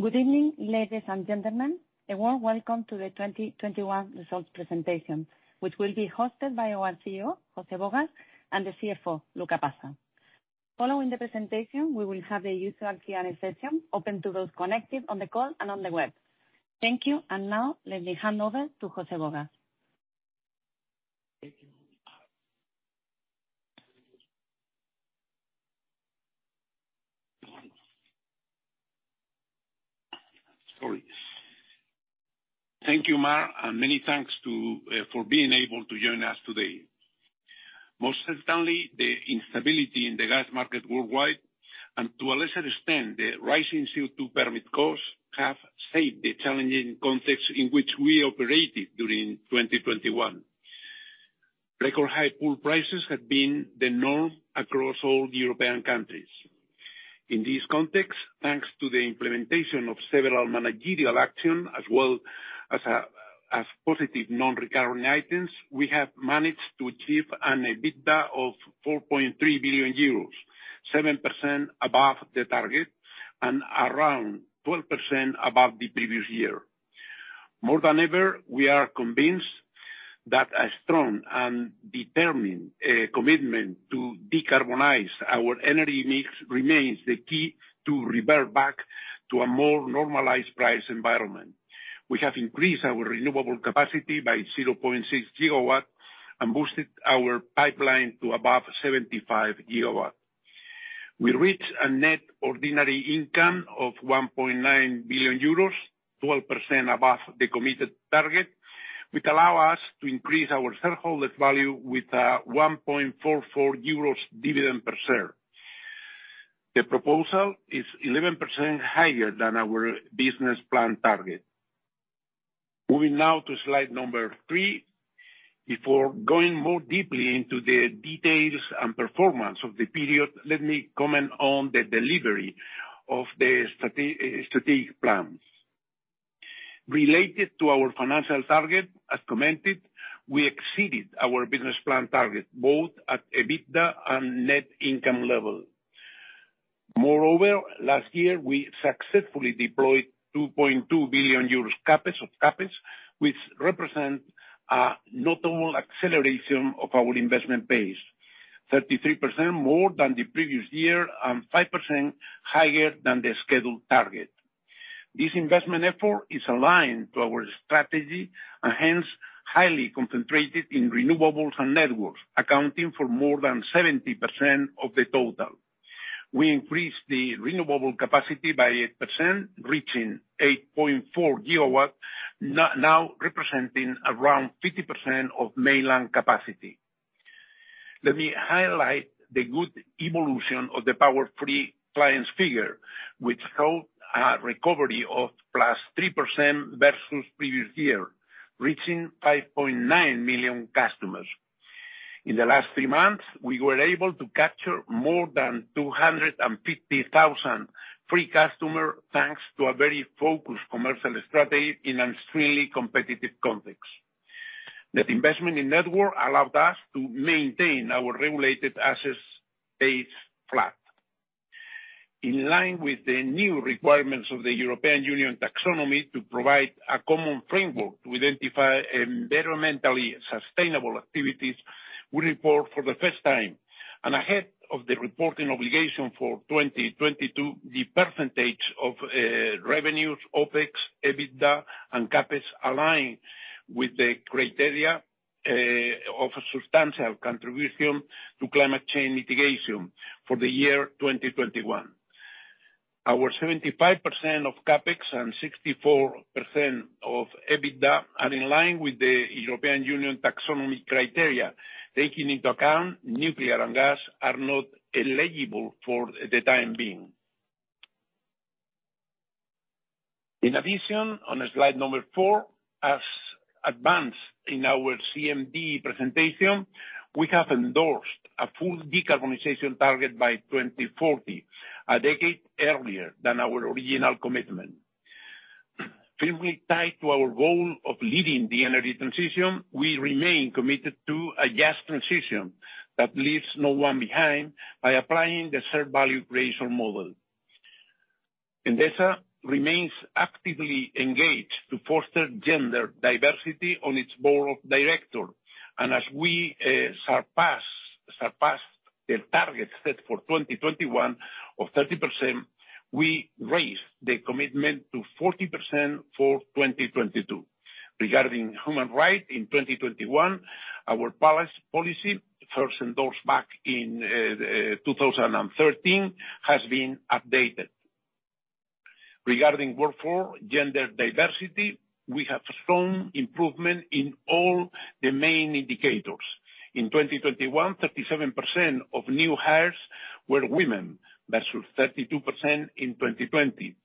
Good evening, ladies and gentlemen. A warm welcome to the 2021 results presentation, which will be hosted by our CEO, José Bogas, and the CFO, Luca Passa. Following the presentation, we will have the usual Q&A session open to those connected on the call and on the web. Thank you, and now let me hand over to José Bogas. Thank you. Sorry. Thank you, Mar, and many thanks to for being able to join us today. Most certainly, the instability in the gas market worldwide, and to a lesser extent, the rising CO2 permit costs, have shaped the challenging context in which we operated during 2021. Record high pool prices have been the norm across all the European countries. In this context, thanks to the implementation of several managerial action as well as as positive non-recurring items, we have managed to achieve an EBITDA of 4.3 billion euros, 7% above the target and around 12% above the previous year. More than ever, we are convinced that a strong and determined commitment to decarbonize our energy mix remains the key to revert back to a more normalized price environment. We have increased our renewable capacity by 0.6 GW and boosted our pipeline to above 75 GW. We reached a net ordinary income of 1.9 billion euros, 12% above the committed target, which allow us to increase our shareholder value with one point four four euros dividend per share. The proposal is 11% higher than our business plan target. Moving now to slide three. Before going more deeply into the details and performance of the period, let me comment on the delivery of the strategic plans. Related to our financial target, as commented, we exceeded our business plan target, both at EBITDA and net income level. Moreover, last year, we successfully deployed 2.2 billion euros of CAPEX, which represent a notable acceleration of our investment base, 33% more than the previous year and 5% higher than the scheduled target. This investment effort is aligned to our strategy and hence, highly concentrated in renewables and networks, accounting for more than 70% of the total. We increased the renewable capacity by 8%, reaching 8.4 GW, now representing around 50% of mainland capacity. Let me highlight the good evolution of the power-free clients figure, which showed a recovery of +3% versus previous year, reaching 5.9 million customers. In the last three months, we were able to capture more than 250,000 free customers, thanks to a very focused commercial strategy in an extremely competitive context. Net investment in network allowed us to maintain our regulated assets base flat. In line with the new requirements of the European Union taxonomy to provide a common framework to identify environmentally sustainable activities, we report for the first time, and ahead of the reporting obligation for 2022, the percentage of revenues, OpEx, EBITDA and CapEx align with the criteria of substantial contribution to climate change mitigation for the year 2021. Our 75% of CapEx and 64% of EBITDA are in line with the European Union taxonomy criteria, taking into account nuclear and gas are not eligible for the time being. In addition, on slide number four, as advanced in our CMD presentation, we have endorsed a full decarbonization target by 2040, a decade earlier than our original commitment. Firmly tied to our goal of leading the energy transition, we remain committed to a just transition that leaves no one behind by applying the shared value creation model. Endesa remains actively engaged to foster gender diversity on its board of directors. As we surpass the target set for 2021 of 30%, we raise the commitment to 40% for 2022. Regarding human rights, in 2021, our policy, first endorsed back in 2013, has been updated. Regarding workforce gender diversity, we have strong improvement in all the main indicators. In 2021, 37% of new hires were women, versus 32% in 2020.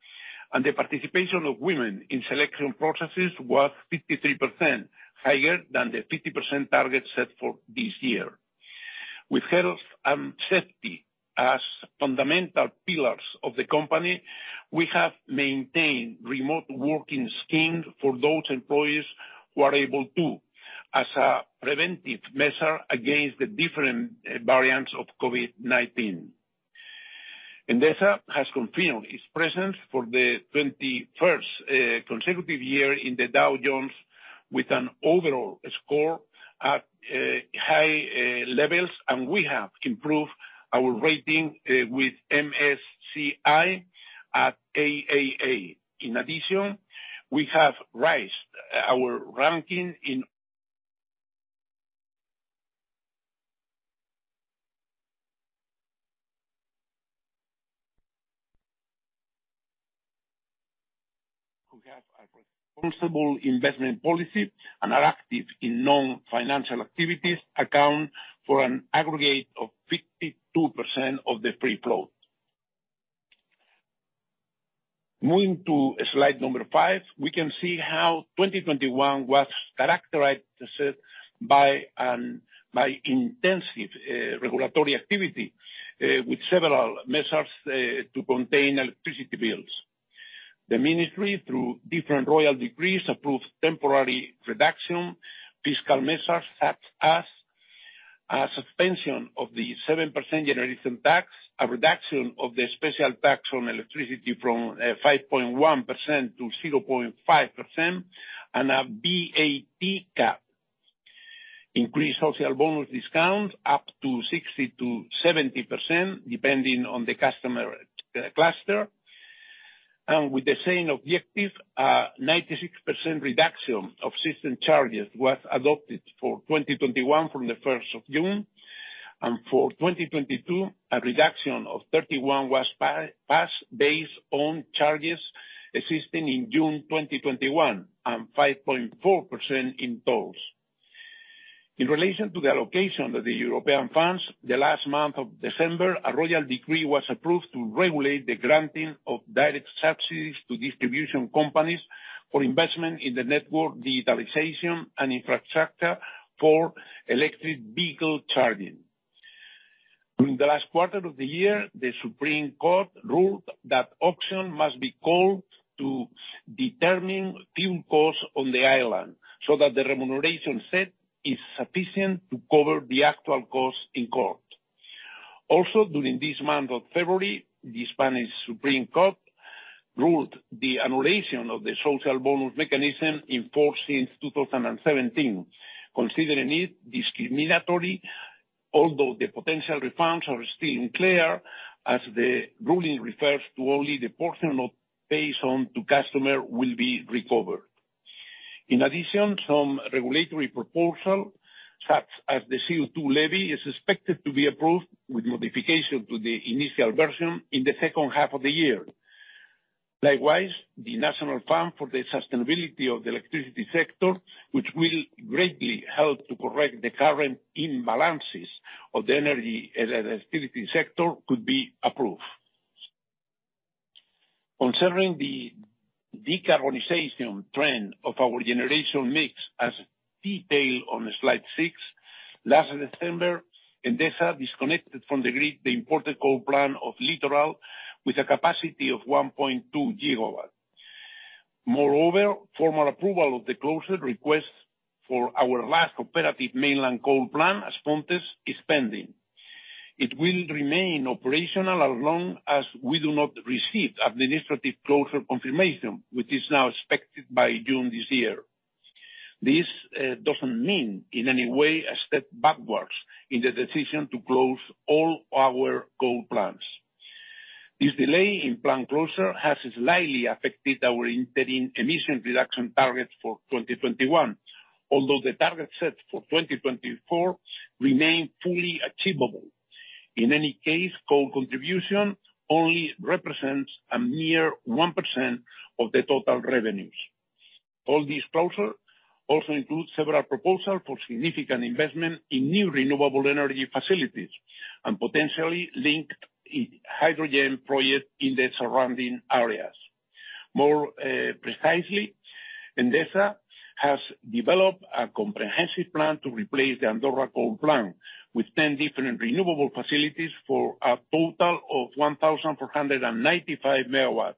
The participation of women in selection processes was 53% higher than the 50% target set for this year. With health and safety as fundamental pillars of the company, we have maintained remote working scheme for those employees who are able to. As a preventive measure against the different variants of COVID-19, Endesa has confirmed its presence for the 21st consecutive year in the Dow Jones with an overall score at high levels, and we have improved our rating with MSCI at AAA. In addition, we have raised our ranking. Investors who have a responsible investment policy and are active in non-financial activities account for an aggregate of 52% of the free float. Moving to slide five, we can see how 2021 was characterized by intensive regulatory activity with several measures to contain electricity bills. The ministry, through different royal decrees, approved temporary reduction, fiscal measures, such as a suspension of the 7% generation tax, a reduction of the Special Tax on Electricity from 5.1% to 0.5%, and a VAT cap, increased Social Bonus discounts up to 60%-70% depending on the customer cluster. With the same objective, a 96% reduction of system charges was adopted for 2021 from the 1st of June. For 2022, a reduction of 31% was passed based on charges existing in June 2021, and 5.4% in tolls. In relation to the allocation of the European funds, the last month of December, a royal decree was approved to regulate the granting of direct subsidies to distribution companies for investment in the network digitalization and infrastructure for electric vehicle charging. During the last quarter of the year, the Supreme Court ruled that an auction must be called to determine fuel costs on the island so that the remuneration set is sufficient to cover the actual cost in court. During this month of February, the Spanish Supreme Court ruled the annulment of the Social Bonus mechanism enforced since 2017, considering it discriminatory, although the potential refunds are still unclear, as the ruling refers to only the portion based on the customer will be recovered. In addition, some regulatory proposal, such as the CO2 levy, is expected to be approved with modification to the initial version in the second half of the year. Likewise, the National Fund for the Sustainability of the Electricity System, which will greatly help to correct the current imbalances of the energy and electricity sector, could be approved. Concerning the decarbonization trend of our generation mix, as detailed on slide six, last December, Endesa disconnected from the grid the important coal plant of Litoral with a capacity of 1.2 GW. Moreover, formal approval of the closure request for our last operative mainland coal plant, As Pontes, is pending. It will remain operational as long as we do not receive administrative closure confirmation, which is now expected by June this year. This doesn't mean, in any way, a step backwards in the decision to close all our coal plants. This delay in plant closure has slightly affected our interim emission reduction targets for 2021, although the target set for 2024 remain fully achievable. In any case, coal contribution only represents a mere 1% of the total revenues. All these closure also includes several proposals for significant investment in new renewable energy facilities and potentially linked hydrogen projects in the surrounding areas. More precisely, Endesa has developed a comprehensive plan to replace the Andorra coal plant with 10 different renewable facilities for a total of 1,495 MW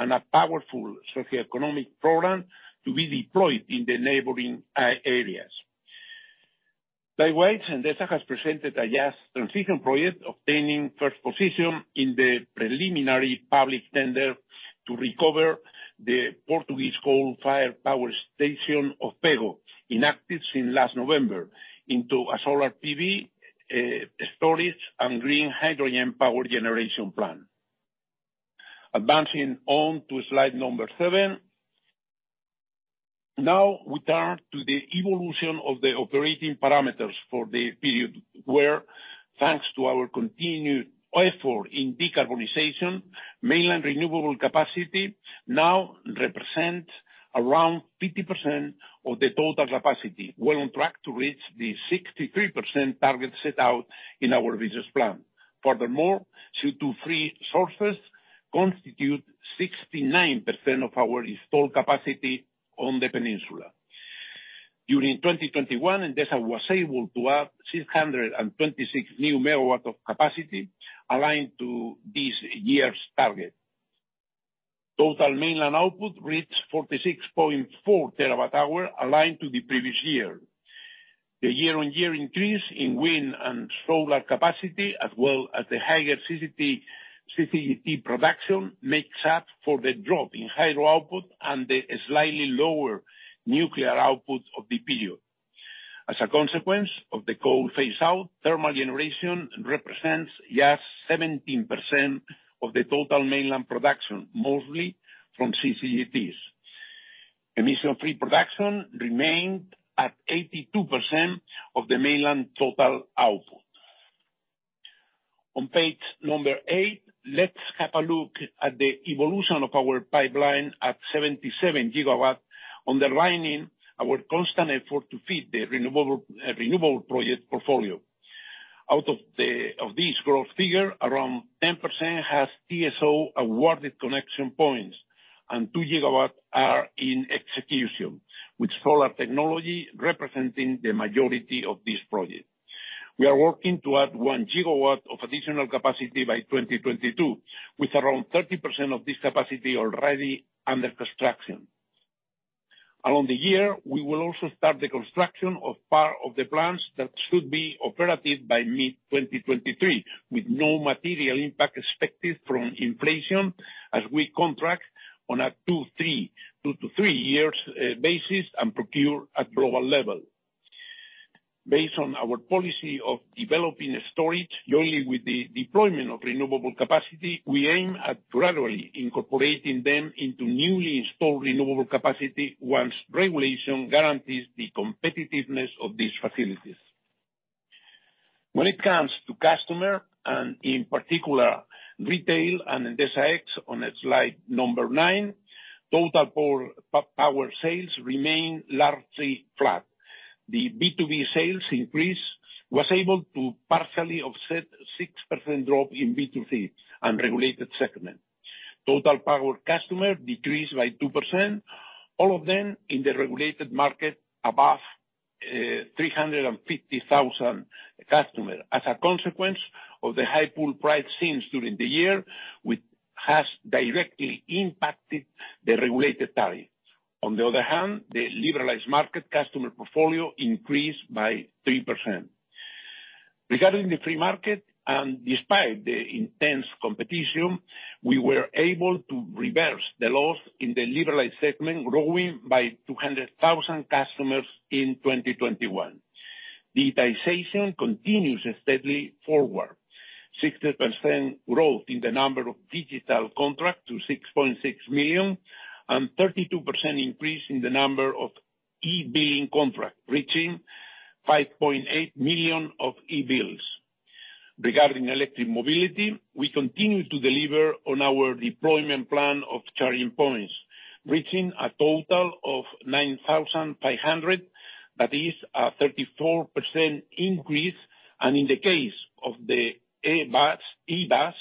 and a powerful socioeconomic program to be deployed in the neighboring areas. Likewise, Endesa has presented a gas transition project, obtaining first position in the preliminary public tender to recover the Portuguese coal-fired power station of Pego, inactive since last November, into a solar PV storage and green hydrogen power generation plant. Advancing on to slide seven. Now, we turn to the evolution of the operating parameters for the period where, thanks to our continued effort in decarbonization, mainland renewable capacity now represents around 50% of the total capacity, well on track to reach the 63% target set out in our business plan. Furthermore, CO2-free sources constitute 69% of our installed capacity on the peninsula. During 2021, Endesa was able to add 626 new MW of capacity aligned to this year's target. Total mainland output reached 46.4 TWh, aligned to the previous year. The year-on-year increase in wind and solar capacity, as well as the higher CCGT production, makes up for the drop in hydro output and the slightly lower nuclear output of the period. As a consequence of the coal phase out, thermal generation represents just 17% of the total mainland production, mostly from CCGTs. Emission-free production remained at 82% of the mainland total output. On page number eight, let's have a look at the evolution of our pipeline at 77 GW, underlining our constant effort to feed the renewable project portfolio. Out of this growth figure, around 10% has TSO-awarded connection points, and 2 GW are in execution, with solar technology representing the majority of these projects. We are working to add 1 GW of additional capacity by 2022, with around 30% of this capacity already under construction. Along the year, we will also start the construction of part of the plants that should be operative by mid-2023, with no material impact expected from inflation as we contract on a two to three years basis and procure at global level. Based on our policy of developing storage jointly with the deployment of renewable capacity, we aim at gradually incorporating them into newly installed renewable capacity once regulation guarantees the competitiveness of these facilities. When it comes to customers, and in particular retail and Endesa X, on slide nine, total power PPA sales remain largely flat. The B2B sales increase was able to partially offset 6% drop in B2C and regulated segment. Total power customers decreased by 2%, all of them in the regulated market above 350,000 customers, as a consequence of the high pool price seen during the year, which has directly impacted the regulated tariff. On the other hand, the liberalized market customer portfolio increased by 3%. Regarding the free market, and despite the intense competition, we were able to reverse the loss in the liberalized segment, growing by 200,000 customers in 2021. Digitalization continues steadily forward. 60% growth in the number of digital contract to 6.6 million, and 32% increase in the number of e-billing contract, reaching 5.8 million of e-bills. Regarding electric mobility, we continue to deliver on our deployment plan of charging points, reaching a total of 9,500. That is a 34% increase. In the case of the e-bus, e-bus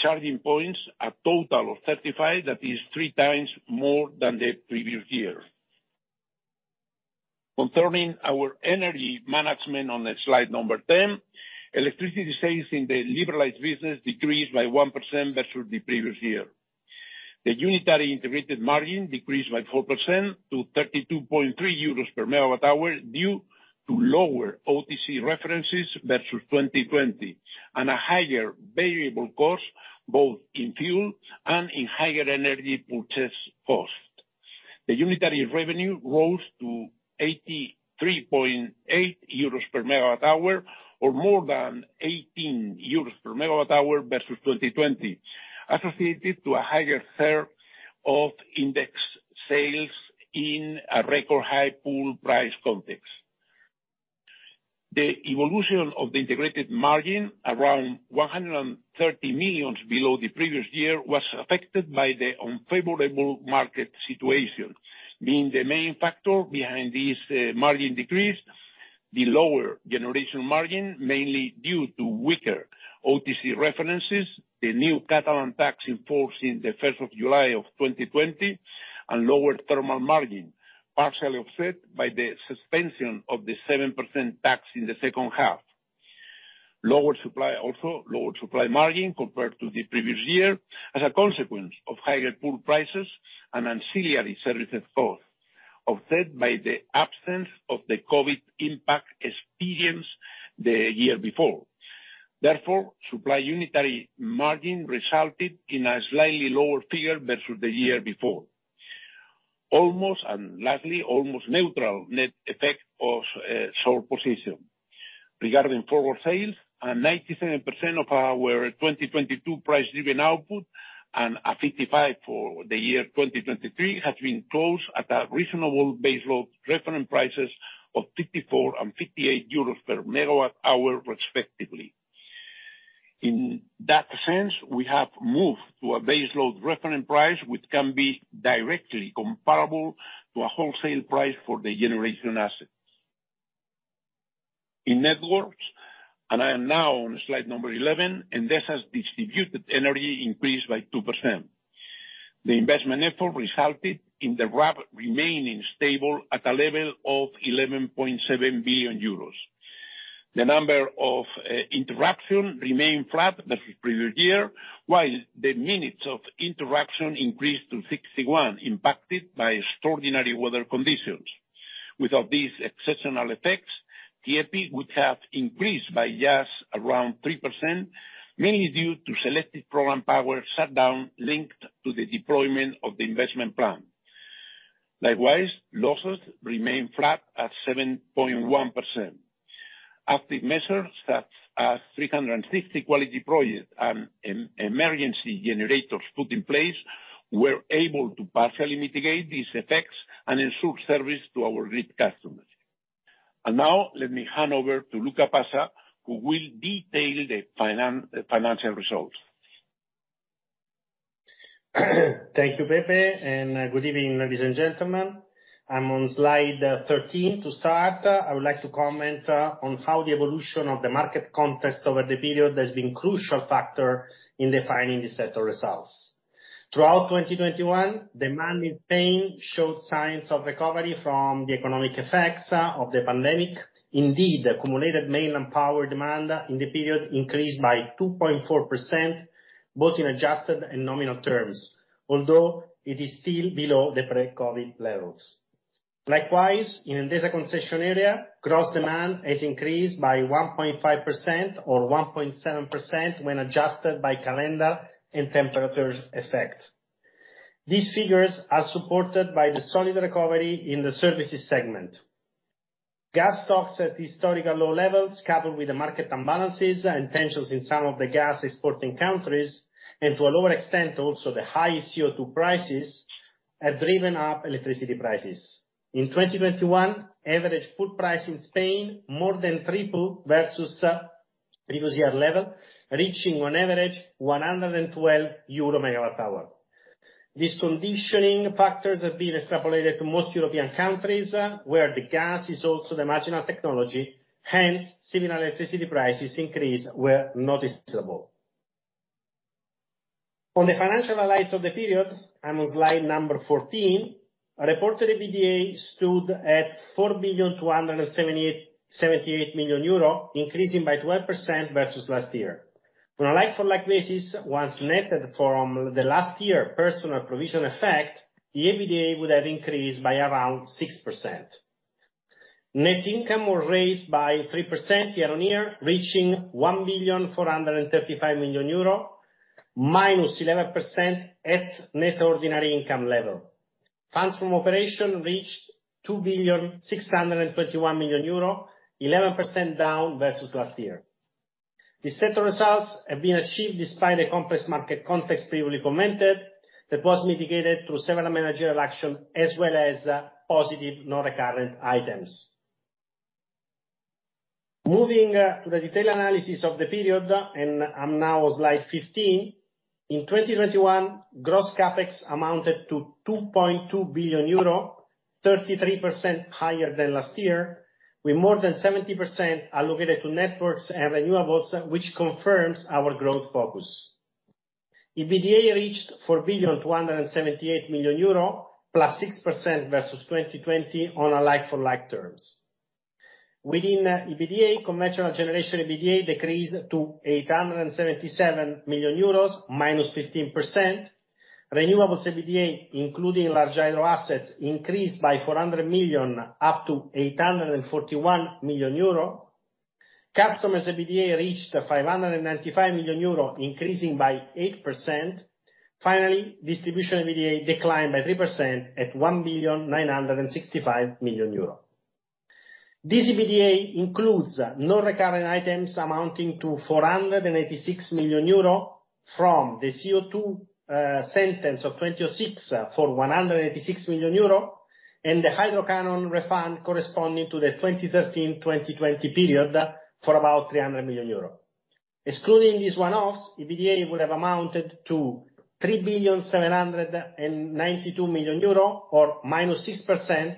charging points, a total of 35, that is three times more than the previous year. Concerning our energy management on slide 10, electricity sales in the liberalized business decreased by 1% versus the previous year. The unitary integrated margin decreased by 4% to 32.3 euros per MWh, due to lower OTC references versus 2020, and a higher variable cost, both in fuel and in higher energy purchase costs. The unitary revenue rose to 83.8 euros MWh, or more than 18 euros per MWh versus 2020, associated to a higher share of index sales in a record high pool price context. The evolution of the integrated margin, around 130 million below the previous year, was affected by the unfavorable market situation, being the main factor behind this margin decrease, the lower generation margin, mainly due to weaker OTC references, the new Catalan tax in force in 1st of July 2020, and lower thermal margin, partially offset by the suspension of the 7% tax in the second half. Lower supply also lower supply margin compared to the previous year as a consequence of higher pool prices and ancillary services costs, offset by the absence of the COVID impact experienced the year before. Therefore, supply unitary margin resulted in a slightly lower figure versus the year before. Lastly, almost neutral net effect of short position. Regarding forward sales, 97% of our 2022 price driven output and 55% for the year 2023 has been closed at a reasonable base load reference prices of 54 and 58 euros per MWh respectively. In that sense, we have moved to a base load reference price which can be directly comparable to a wholesale price for the generation assets. In networks, I am now on slide 11. Endesa's distributed energy increased by 2%. The investment effort resulted in the RAB remaining stable at a level of 11.7 billion euros. The number of interruptions remain flat versus previous year, while the minutes of interruption increased to 61, impacted by extraordinary weather conditions. Without these exceptional effects, TIEPI would have increased by just around 3%, mainly due to selected program power shutdown linked to the deployment of the investment plan. Likewise, losses remain flat at 7.1%. Active measures such as 360 quality projects and emergency generators put in place were able to partially mitigate these effects and ensure service to our grid customers. Now let me hand over to Luca Passa, who will detail the financial results. Thank you, Pepe, and good evening, ladies and gentlemen. I'm on slide 13. To start, I would like to comment on how the evolution of the market context over the period has been crucial factor in defining the set of results. Throughout 2021, demand in Spain showed signs of recovery from the economic effects of the pandemic. Indeed, the accumulated mainland power demand in the period increased by 2.4%, both in adjusted and nominal terms, although it is still below the pre-COVID levels. Likewise, in Endesa concession area, gross demand has increased by 1.5%, or 1.7% when adjusted by calendar and temperatures effect. These figures are supported by the solid recovery in the services segment. Gas stocks at historical low levels, coupled with the market imbalances and tensions in some of the gas exporting countries, and to a lower extent also the high CO2 prices, have driven up electricity prices. In 2021, average full price in Spain more than triple versus previous year level, reaching on average 112 euro MWh. These conditioning factors have been extrapolated to most European countries where the gas is also the marginal technology, hence similar electricity prices increase were noticeable. On the financial highlights of the period, I'm on slide 14, our reported EBITDA stood at 4,278 million euro, increasing by 12% versus last year. On a like-for-like basis, once netted from the last year personnel provision effect, the EBITDA would have increased by around 6%. Net income was raised by 3% year on year, reaching 1.435 billion, -11% at net ordinary income level. Funds from operation reached 2.621 billion, 11% down versus last year. These set of results have been achieved despite the complex market context previously commented, that was mitigated through several managerial action as well as positive non-recurrent items. Moving to the detailed analysis of the period, and I'm now on slide 15. In 2021, gross CapEx amounted to 2.2 billion euro, 33% higher than last year, with more than 70% allocated to networks and renewables, which confirms our growth focus. EBITDA reached EUR 4.278 billion, +6% versus 2020 on a like-for-like terms. Within EBITDA, conventional generation EBITDA decreased to EUR 877 million, -15%. Renewables EBITDA, including large hydro assets, increased by 400 million, up to 841 million euro. Customers EBITDA reached 595 million euro, increasing by 8%. Finally, distribution EBITDA declined by 3% at 1,965 million euro. This EBITDA includes non-recurrent items amounting to 486 million euro from the CO2 sentence of 2006 for 186 million euro, and the hydro canon refund corresponding to the 2013-2020 period for about 300 million euro. Excluding these one-offs, EBITDA would have amounted to 3,792 million euro, or -6%,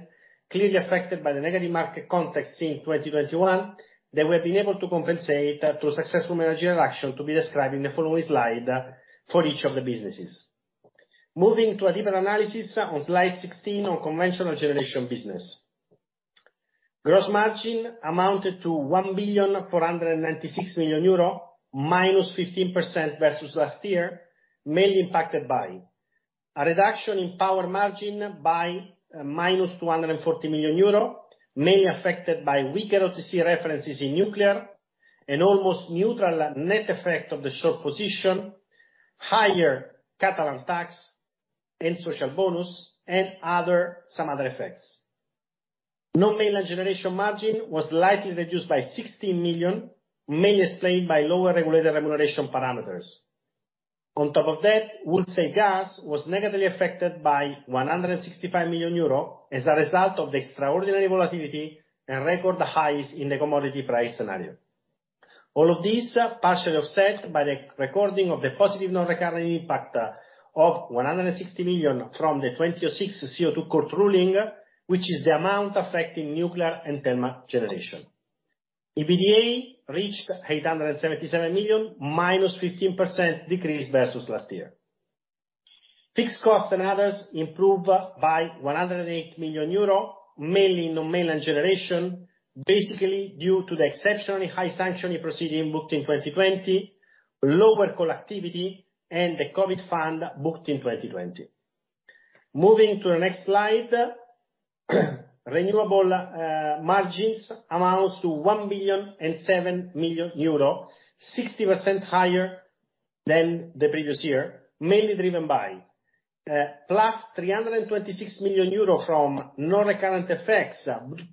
clearly affected by the negative market context in 2021, that we have been able to compensate through successful managerial action to be described in the following slide for each of the businesses. Moving to a different analysis on slide 16 on conventional generation business. Gross margin amounted to 1,496 million euro, -15% versus last year, mainly impacted by a reduction in power margin by -240 million euro, mainly affected by weaker OTC references in nuclear, an almost neutral net effect of the short position, higher Catalan tax and Social Bonus, and other, some other effects. Non-mainland generation margin was slightly reduced by 16 million, mainly explained by lower regulated remuneration parameters. On top of that, wholesale gas was negatively affected by 165 million euro as a result of the extraordinary volatility and record highs in the commodity price scenario. All of these partially offset by the recording of the positive non-recurrent impact of 160 million from the 2006 CO2 court ruling, which is the amount affecting nuclear and thermal generation. EBITDA reached 877 million, 15% decrease versus last year. Fixed cost and others improved by 108 million euro, mainly in the mainland generation, basically due to the exceptionally high sanctioning proceeding booked in 2020, lower collectability, and the COVID fund booked in 2020. Moving to the next slide. Renewable margins amount to EUR 1,007 million, 60% higher than the previous year, mainly driven by +326 million euro from non-recurrent effects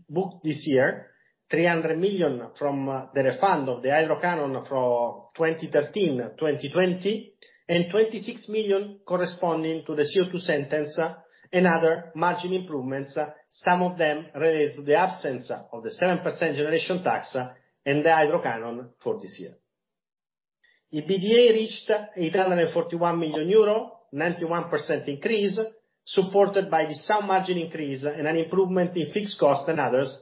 booked this year, 300 million from the refund of the hydro canon for 2013, 2020, and 26 million corresponding to the CO2 court ruling, and other margin improvements, some of them related to the absence of the 7% generation tax and the hydro canon for this year. EBITDA reached 841 million euro, 91% increase, supported by the same margin increase and an improvement in fixed cost and others,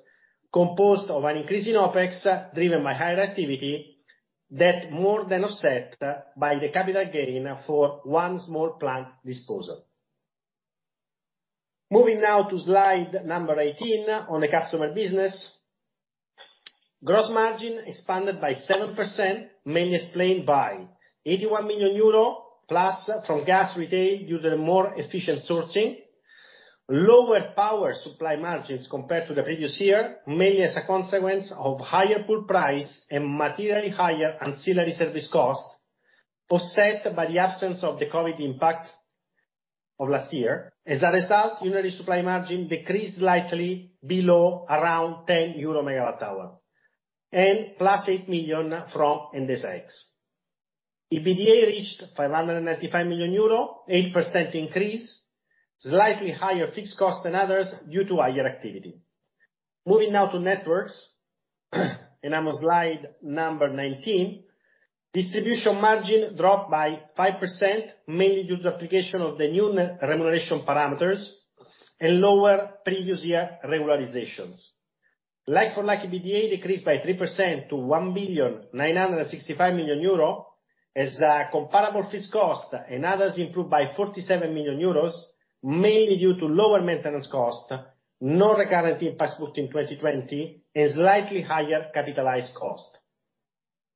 composed of an increase in OpEx, driven by higher activity, that more than offset by the capital gain for one small plant disposal. Moving now to slide 18 on the customer business. Gross margin expanded by 7%, mainly explained by 81 million euro plus from gas retail due to more efficient sourcing. Lower power supply margins compared to the previous year, mainly as a consequence of higher pool price and materially higher ancillary service costs, offset by the absence of the COVID impact of last year. As a result, unitary supply margin decreased slightly below around 10 euro MWh, and +8 million from Endesa X. EBITDA reached 595 million euro, 8% increase, slightly higher fixed cost than others due to higher activity. Moving now to networks. I'm on slide 19. Distribution margin dropped by 5%, mainly due to application of the new remuneration parameters, and lower previous year regularizations. Like-for-like, EBITDA decreased by 3% to 1,965 million euro, as the comparable fixed cost and others improved by 47 million euros, mainly due to lower maintenance cost, non-recurrent impact booked in 2020, and slightly higher capitalized cost.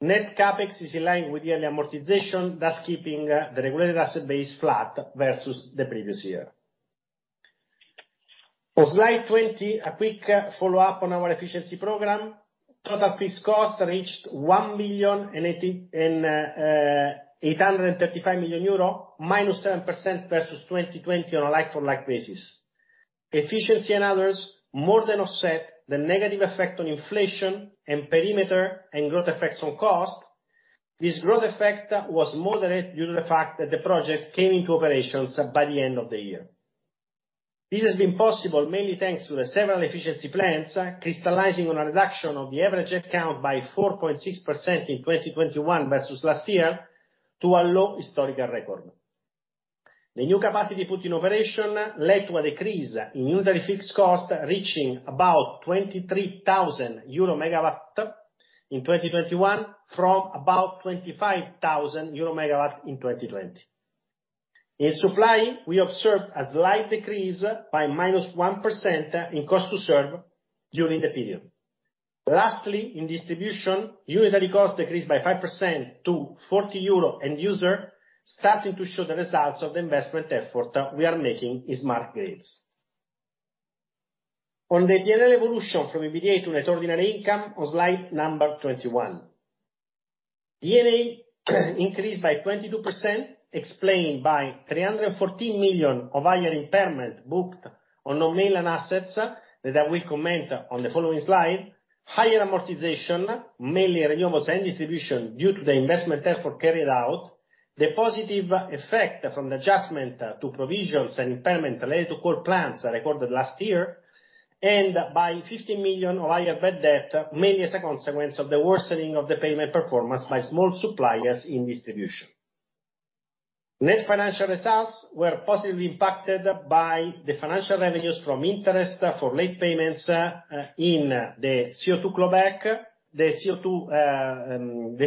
Net CapEx is in line with yearly amortization, thus keeping the regulated asset base flat versus the previous year. On slide 20, a quick follow-up on our efficiency program. Total fixed cost reached 1,835 million, -7% versus 2020 on a like-for-like basis. Efficiency and others more than offset the negative effect on inflation and perimeter and growth effects on cost. This growth effect was moderate due to the fact that the projects came into operations by the end of the year. This has been possible mainly thanks to the several efficiency plans, crystallizing on a reduction of the average head count by 4.6% in 2021 versus last year, to a low historical record. The new capacity put in operation led to a decrease in unitary fixed cost, reaching about 23,000 euro MW in 2021, from about 25,000 euro MW in 2020. In supply, we observed a slight decrease by -1% in cost to serve during the period. Lastly, in distribution, unitary cost decreased by 5% to 40 euro end user, starting to show the results of the investment effort we are making in smart grids. On the P&L evolution from EBITDA to net ordinary income on slide number 21. D&A increased by 22%, explained by 314 million of higher impairment booked on non-core assets, that I will comment on the following slide. Higher amortization, mainly renewables and distribution, due to the investment effort carried out. The positive effect from the adjustment to provisions and impairment related to coal plants recorded last year. By 15 million of higher bad debt, mainly as a consequence of the worsening of the payment performance by small suppliers in distribution. Net financial results were positively impacted by the financial revenues from interest for late payments in the CO2 court ruling,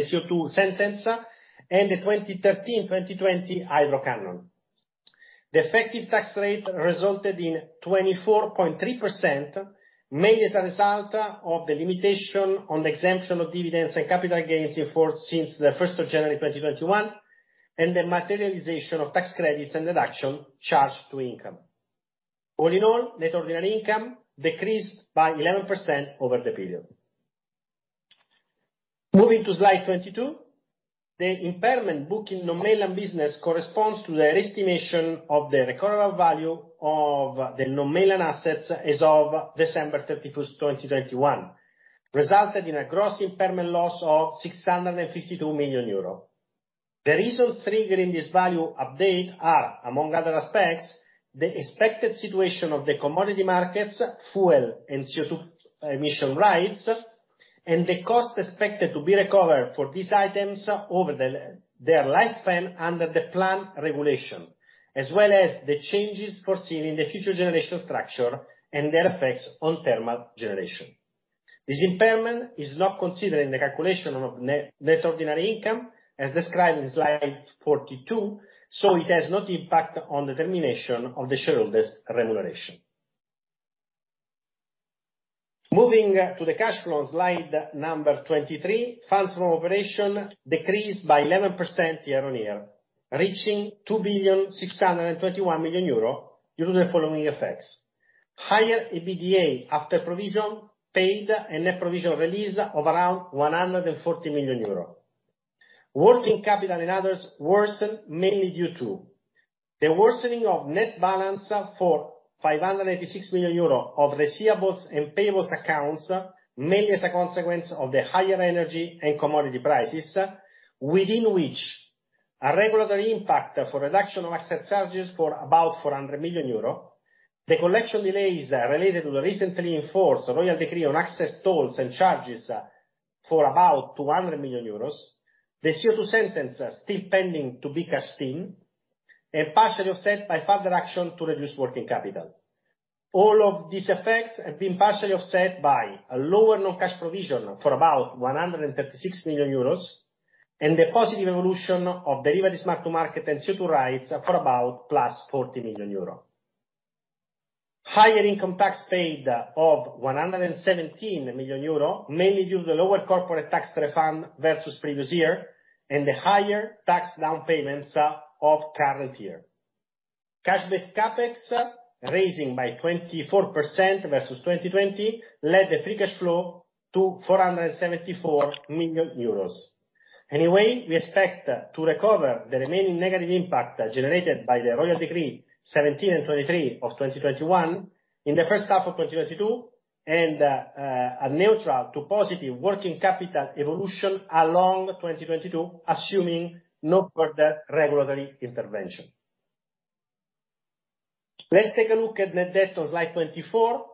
and the 2013, 2020 hydro canon. The effective tax rate resulted in 24.3%, mainly as a result of the limitation on the exemption of dividends and capital gains in force since 1st of January 2021, and the materialization of tax credits and deduction charged to income. Net ordinary income decreased by 11% over the period. Moving to slide 22. The impairment booking in non-regulated business corresponds to the re-estimation of the recoverable value of the non-regulated assets as of December 31st, 2021, resulted in a gross impairment loss of 652 million euro. The reason triggering this value update are, among other aspects, the expected situation of the commodity markets, fuel and CO2 emission rights, and the cost expected to be recovered for these items over their lifespan under the plan regulation, as well as the changes foreseen in the future generation structure and their effects on thermal generation. This impairment is not considered in the calculation of net-net ordinary income, as described in slide 42, so it has no impact on the determination of the shareholders' remuneration. Moving to the cash flow, slide number 23, funds from operation decreased by 11% year-on-year, reaching 2,621 million euro due to the following effects. Higher EBITDA after provision paid and net provision release of around 140 million euros. Working capital and others worsened mainly due to the worsening of net balance of 586 million euro of receivables and payables accounts, mainly as a consequence of the higher energy and commodity prices, within which a regulatory impact for reduction of asset charges for about 400 million euro, the collection delays related to the recently enforced Royal Decree on access tolls and charges for about 200 million euros, the CO2 sentence still pending to be cashed in, and partially offset by further action to reduce working capital. All of these effects have been partially offset by a lower non-cash provision for about 136 million euros, and the positive evolution of derivatives mark-to-market and CO2 rights for about +40 million euro. Higher income tax paid of 117 million euro, mainly due to the lower corporate tax refund versus previous year, and the higher tax down payments of current year. The cash CapEx, raising by 24% versus 2020 led the free cash flow to 474 million euros. Anyway, we expect to recover the remaining negative impact generated by the Royal Decree-Law 17/2021 and 23/2021 of 2021 in the first half of 2022, and a neutral to positive working capital evolution along 2022, assuming no further regulatory intervention. Let's take a look at net debt on slide 24.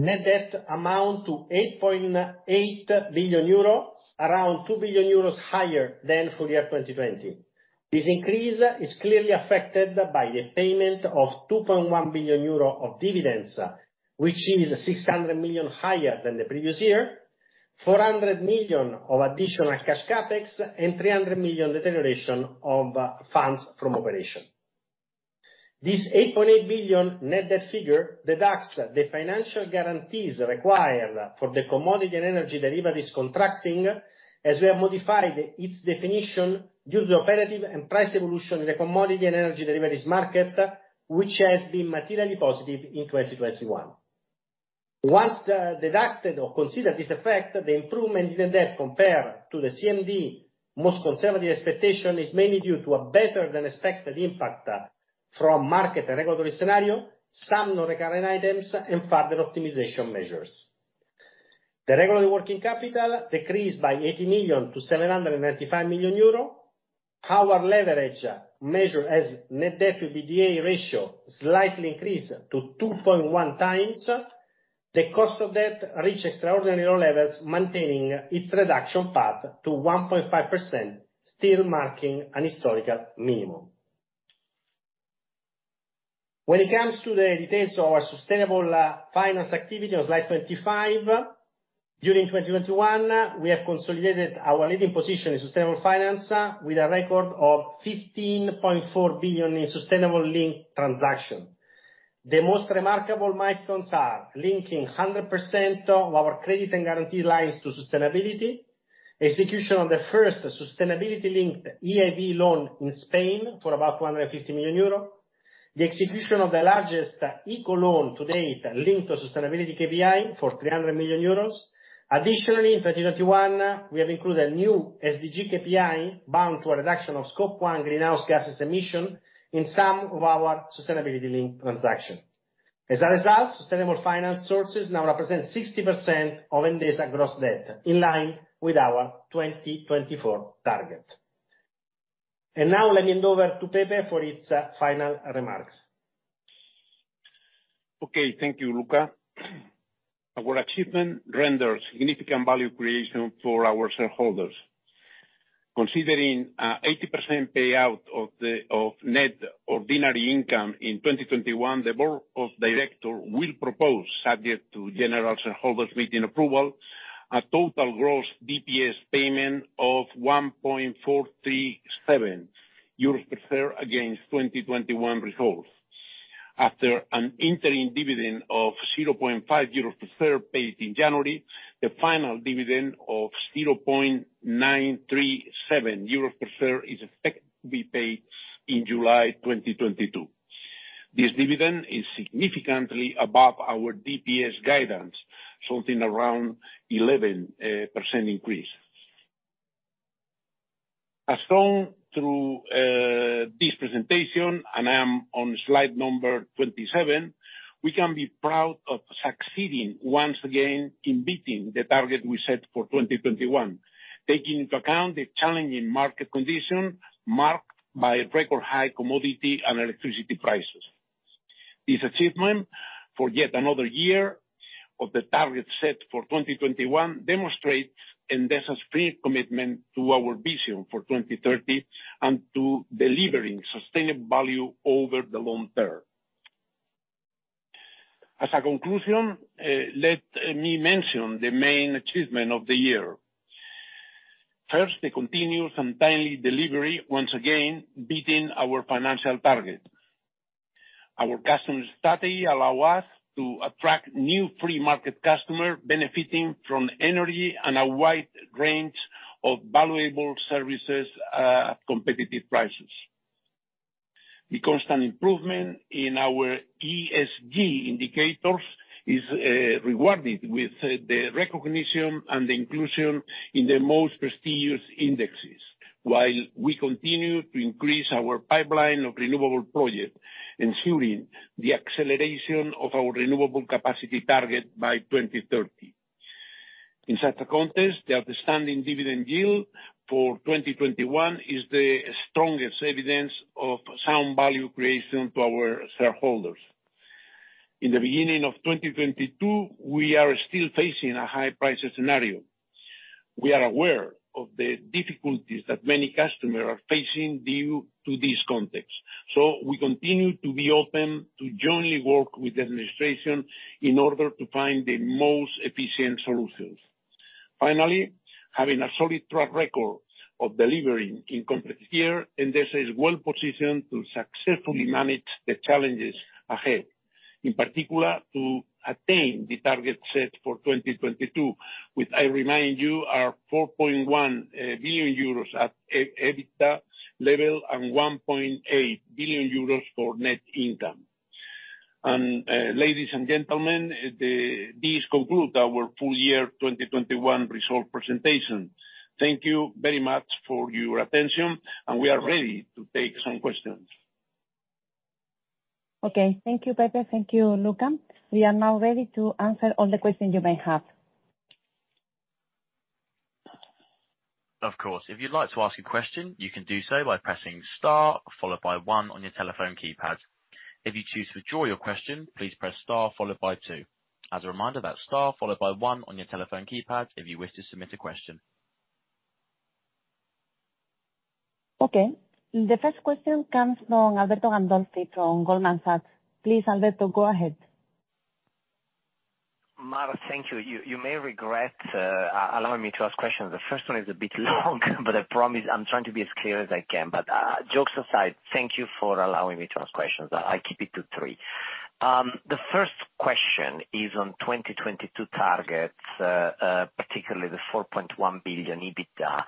Net debt amount to 8.8 billion euro, around 2 billion euros higher than full year 2020. This increase is clearly affected by the payment of 2.1 billion euro of dividends, which is 600 million higher than the previous year, 400 million of additional cash CapEx, and 300 million deterioration of funds from operation. This 8.8 billion net debt figure deducts the financial guarantees required for the commodity and energy derivatives contracting, as we have modified its definition due to the operational and price evolution in the commodity and energy derivatives market, which has been materially positive in 2021. Once deducted or considered this effect, the improvement in the debt compared to the CMD most conservative expectation is mainly due to a better than expected impact from market and regulatory scenario, some non-recurrent items, and further optimization measures. The regular working capital decreased by 80 million to 795 million euro. Our leverage measure as net debt to EBITDA ratio slightly increased to 2.1x. The cost of debt reached extraordinary low levels, maintaining its reduction path to 1.5%, still marking an historical minimum. When it comes to the details of our sustainable finance activity on slide 25, during 2021, we have consolidated our leading position in sustainable finance with a record of 15.4 billion in sustainable linked transaction. The most remarkable milestones are linking 100% of our credit and guarantee lines to sustainability, execution of the first sustainability linked EIB loan in Spain for about 150 million euro, the execution of the largest eco loan to date linked to sustainability KPI for 300 million euros. Additionally, in 2021, we have included a new SDG KPI bound to a reduction of Scope 1 greenhouse gases emission in some of our sustainability linked transaction. As a result, sustainable finance sources now represent 60% of Endesa gross debt, in line with our 2024 target. Now let me hand over to Pepe for his final remarks. Okay. Thank you, Luca. Our achievement renders significant value creation for our shareholders. Considering 80% payout of net ordinary income in 2021, the board of director will propose, subject to general shareholders' meeting approval, a total gross DPS payment of 1.437 euros per share against 2021 results. After an interim dividend of 0.5 euros per share paid in January, the final dividend of 0.937 euros per share is expected to be paid in July 2022. This dividend is significantly above our DPS guidance, something around 11% increase. As shown through this presentation, and I am on slide number 27, we can be proud of succeeding once again in beating the target we set for 2021, taking into account the challenging market condition marked by record high commodity and electricity prices. This achievement for yet another year of the target set for 2021 demonstrates Endesa's firm commitment to our vision for 2030, and to delivering sustainable value over the long term. As a conclusion, let me mention the main achievement of the year. First, the continuous and timely delivery, once again, beating our financial targets. Our customer strategy allow us to attract new free market customer, benefiting from energy and a wide range of valuable services, at competitive prices. The constant improvement in our ESG indicators is rewarded with the recognition and inclusion in the most prestigious indexes, while we continue to increase our pipeline of renewable projects, ensuring the acceleration of our renewable capacity target by 2030. In such a context, the outstanding dividend yield for 2021 is the strongest evidence of sound value creation to our shareholders. In the beginning of 2022, we are still facing a high price scenario. We are aware of the difficulties that many customers are facing due to this context, so we continue to be open to jointly work with the administration in order to find the most efficient solutions. Finally, having a solid track record of delivering in complex year, Endesa is well positioned to successfully manage the challenges ahead. In particular, to attain the target set for 2022, which I remind you are 4.1 billion euros at EBITDA level, and 1.8 billion euros for net income. Ladies and gentlemen, this concludes our full year 2021 result presentation. Thank you very much for your attention, and we are ready to take some questions. Okay. Thank you, Pepe. Thank you, Luca. We are now ready to answer all the questions you may have. Of course. If you'd like to ask a question, you can do so by pressing star followed by one on your telephone keypad. If you choose to withdraw your question, please press star followed by two. As a reminder, that's star followed by one on your telephone keypad if you wish to submit a question. Okay. The first question comes from Alberto Gandolfi from Goldman Sachs. Please, Alberto, go ahead. Mar, thank you. You may regret allowing me to ask questions. The first one is a bit long, but I promise I'm trying to be as clear as I can. Jokes aside, thank you for allowing me to ask questions. I keep it to three. The first question is on 2022 targets, particularly the 4.1 billion EBITDA.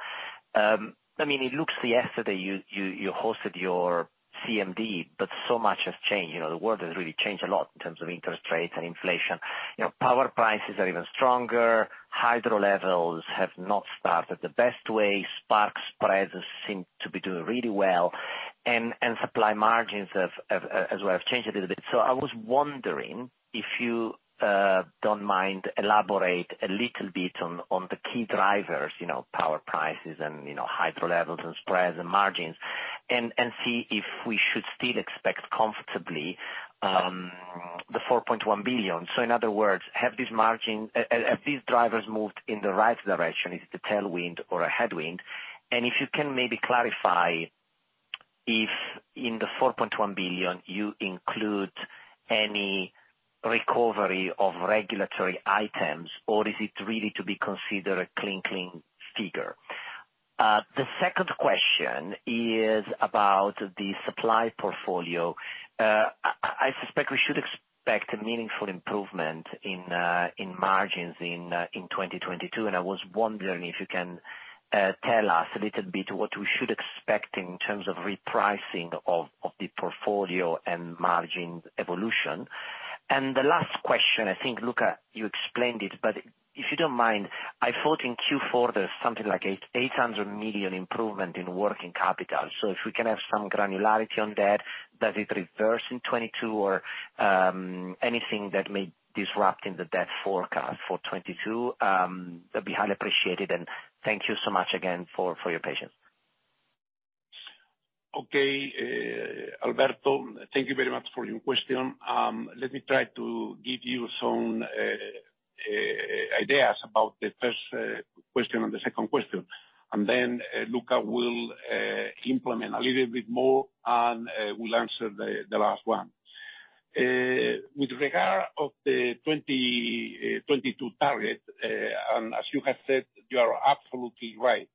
I mean, it looks like yesterday you hosted your CMD, but so much has changed. You know, the world has really changed a lot in terms of interest rates and inflation. You know, power prices are even stronger, hydro levels have not started the best way, spark spreads seem to be doing really well, and supply margins have, as well, changed a little bit. I was wondering, if you don't mind, elaborate a little bit on the key drivers, you know, power prices and, you know, hydro levels and spreads and margins and see if we should still expect comfortably the 4.1 billion. In other words, have these drivers moved in the right direction? Is it a tailwind or a headwind? If you can maybe clarify if in the 4.1 billion you include any recovery of regulatory items, or is it really to be considered a clean figure? The second question is about the supply portfolio. I suspect we should expect a meaningful improvement in margins in 2022, and I was wondering if you can tell us a little bit what we should expect in terms of repricing of the portfolio and margin evolution. The last question, I think, Luca, you explained it, but if you don't mind, I thought in Q4 there's something like 800 million improvement in working capital. If we can have some granularity on that, does it reverse in 2022, or anything that may disrupt in the debt forecast for 2022, that'd be highly appreciated. Thank you so much again for your patience. Okay. Alberto, thank you very much for your question. Let me try to give you some ideas about the first question and the second question, and then Luca will elaborate a little bit more and will answer the last one. With regard to the 2022 target, and as you have said, you are absolutely right,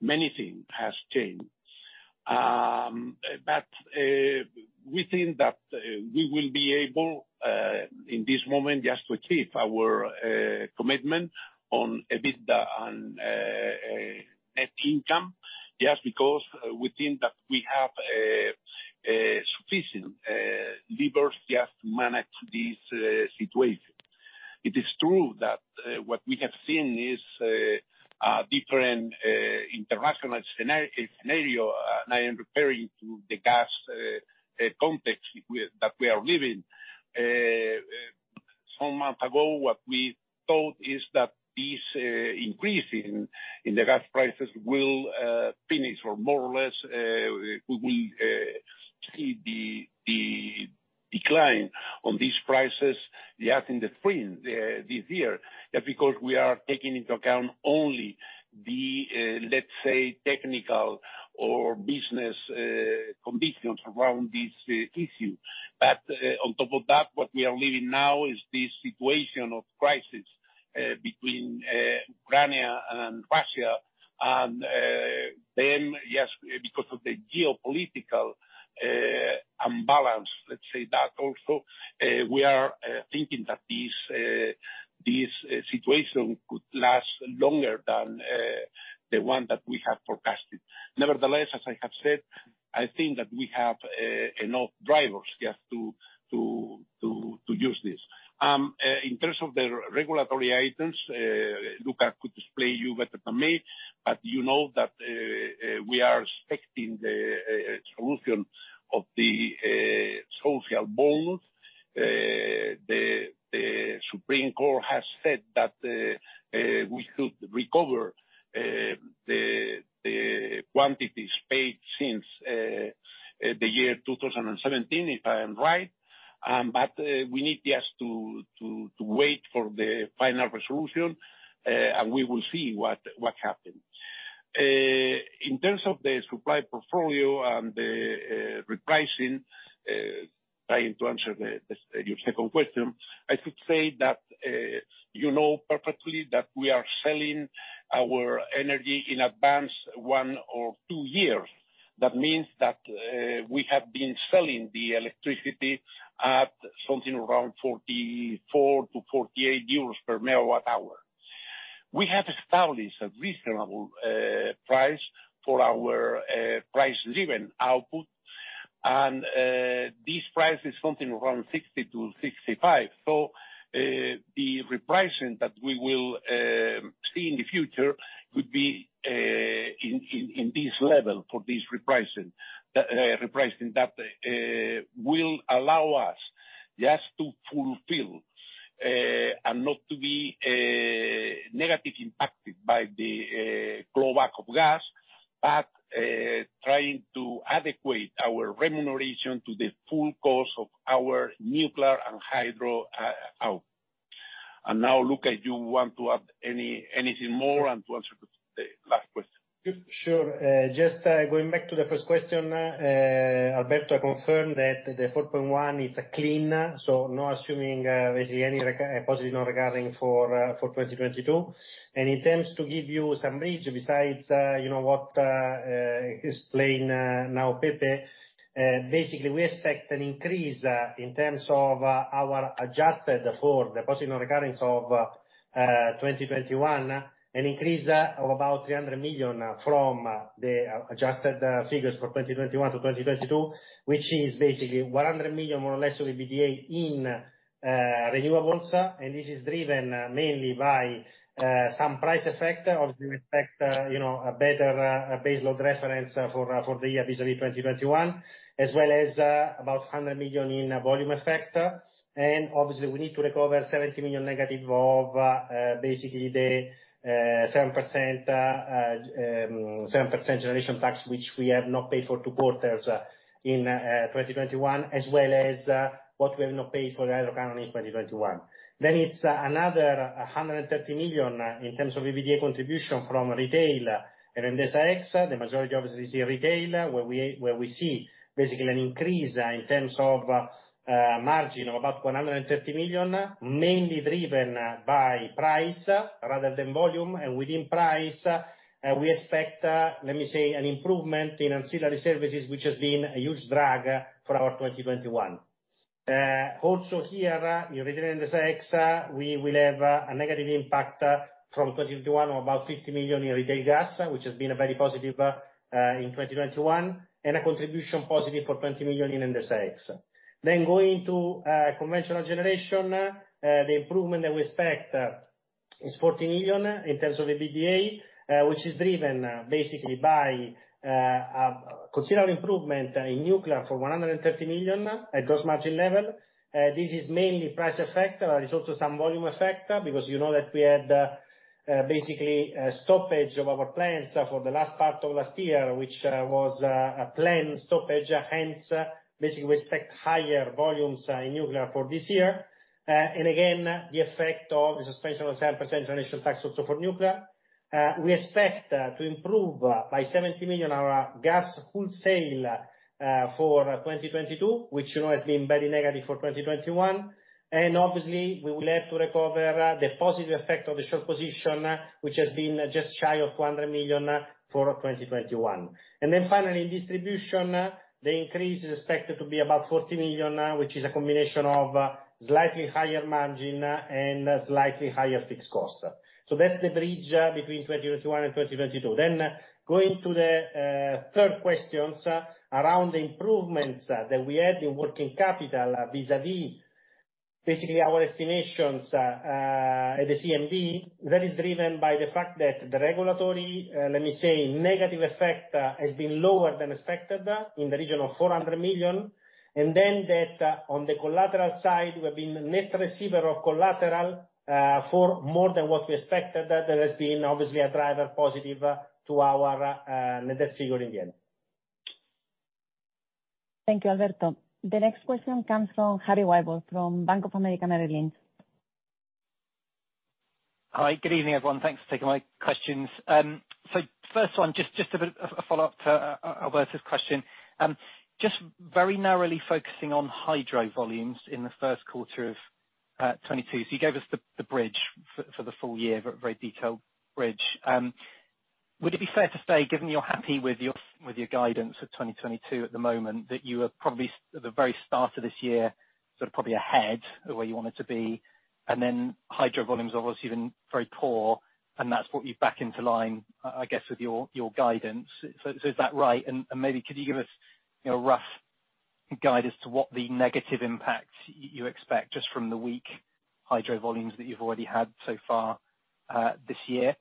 many things have changed. We think that we will be able in this moment just to achieve our commitment on EBITDA and net income, just because we think that we have sufficient levers just to manage this situation. It is true that what we have seen is a different international scenario, and I am referring to the gas context that we are living. Some months ago, what we thought is that this increase in the gas prices will finish, or more or less, we will see the decline on these prices, yes, in the spring, this year, because we are taking into account only the, let's say, technical or business conditions around this issue. On top of that, what we are living now is the situation of crisis between Ukraine and Russia, and then, yes, because of the geopolitical imbalance, let's say that also, we are thinking that this situation could last longer than the one that we have forecasted. Nevertheless, as I have said, I think that we have enough drivers, yes, to use this. In terms of the regulatory items, Luca could explain to you better than me, but you know that we are expecting the solution of the Social Bonus. The Supreme Court has said that we could recover the quantities paid since 2017, if I am right, but we need just to wait for the final resolution, and we will see what happened. In terms of the supply portfolio and the repricing, trying to answer your second question, I should say that you know perfectly that we are selling our energy in advance one or two years. That means that we have been selling the electricity at something around 44-48 euros per MWh. We have established a reasonable price for our price-driven output, and this price is something around 60-65. The repricing that we will see in the future could be in this level for this repricing that will allow us just to fulfill and not to be negatively impacted by the global cost of gas, but trying to adequate our remuneration to the full cost of our nuclear and hydro output. Now, Luca, do you want to add anything more, and to answer the last question? Sure. Just going back to the first question, Alberto confirmed that the 4.1 is a clean, so no assuming basically any reg-positive regarding 2022. In terms, to give you some range besides, you know, what we explain now, Pepe, basically we expect an increase in terms of our adjusted for the positive recurrence of 2021, an increase of about 300 million from the adjusted figures for 2021-2022, which is basically 100 million, more or less, will be EBITDA in renewables, and this is driven mainly by some price effect. Obviously we expect, you know, a better baseload reference for the year vis-a-vis 2021, as well as about 100 million in volume effect. Obviously we need to recover 70 million negative of basically the 7% generation tax, which we have not paid for two quarters in 2021, as well as what we have not paid for the hydro canon in 2021. It's another 130 million in terms of EBITDA contribution from retail and Endesa X. The majority, obviously, is in retail, where we see basically an increase in terms of margin of about 130 million, mainly driven by price rather than volume. Within price, we expect let me say an improvement in ancillary services, which has been a huge drag for our 2021. Also here in retail Endesa X, we will have a negative impact from 2021 of about 50 million in retail gas, which has been very positive in 2021, and a positive contribution for 20 million in Endesa X. Going to conventional generation, the improvement that we expect is 40 million in terms of EBITDA, which is driven basically by a considerable improvement in nuclear for 130 million at gross margin level. This is mainly price effect. There is also some volume effect, because you know that we had basically a stoppage of our plants for the last part of last year, which was a plant stoppage, hence basically we expect higher volumes in nuclear for this year. And again, the effect of the suspension of 7% transition tax also for nuclear. We expect to improve by 70 million our wholesale gas for 2022, which you know has been very negative for 2021. Obviously we will have to recover the positive effect of the short position, which has been just shy of 400 million for 2021. Finally, distribution, the increase is expected to be about 40 million, which is a combination of slightly higher margin and slightly higher fixed cost. That's the bridge between 2021 and 2022. Going to the third questions around the improvements that we had in working capital vis-a-vis basically our estimations at the CMD. That is driven by the fact that the regulatory, let me say, negative effect has been lower than expected in the region of 400 million. That on the collateral side, we have been net receiver of collateral for more than what we expected. That has been obviously a positive driver to our net figure in the end. Thank you, Alberto. The next question comes from Harry Wyburd from Bank of America Merrill Lynch. Hi, good evening, everyone. Thanks for taking my questions. First one, just a bit of a follow-up to Alberto's question. Just very narrowly focusing on hydro volumes in the first quarter of 2022. You gave us the bridge for the full year, a very detailed bridge. Would it be fair to say, given you're happy with your guidance for 2022 at the moment, that you are probably at the very start of this year, sort of probably ahead of where you wanted to be, and then hydro volumes have obviously been very poor, and that's brought you back into line, I guess, with your guidance? Is that right? Maybe could you give us, you know, a rough guide as to what the negative impact you expect just from the weak hydro volumes that you've already had so far this year?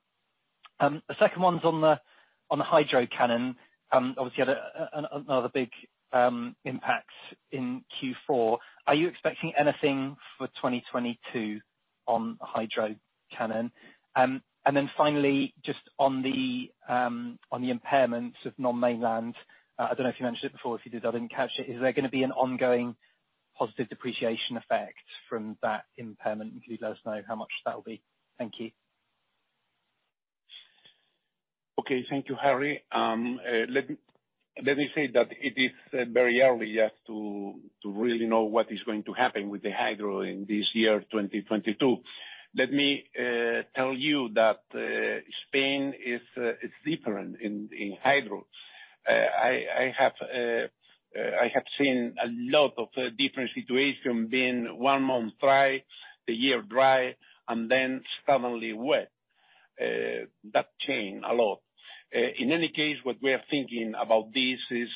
The second one's on the hydro canon, obviously had another big impact in Q4. Are you expecting anything for 2022 on hydro canon? And then finally, just on the impairments of non-mainland, I don't know if you mentioned it before. If you did, I didn't catch it. Is there gonna be an ongoing positive depreciation effect from that impairment? Could you let us know how much that'll be? Thank you. Okay, thank you, Harry. Let me say that it is very early just to really know what is going to happen with the hydro in this year, 2022. Let me tell you that Spain is different in hydro. I have seen a lot of different situation being one month dry, the year dry, and then suddenly wet that change a lot. In any case, what we are thinking about this is,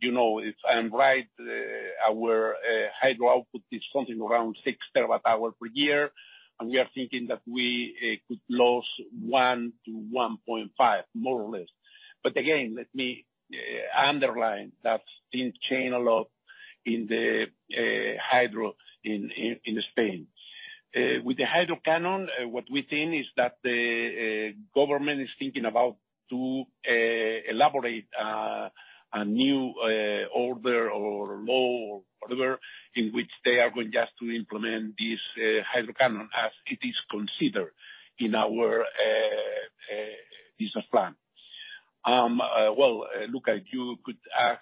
you know, if I am right, our hydro output is something around 6 TWh per year, and we are thinking that we could lose 1-1.5 TWh, more or less. Let me underline that things change a lot in the hydro in Spain. With the hydro canon, what we think is that the government is thinking about to elaborate a new order or law or whatever, in which they are going just to implement this hydro canon as it is considered in our business plan. Well, Luca, you could ask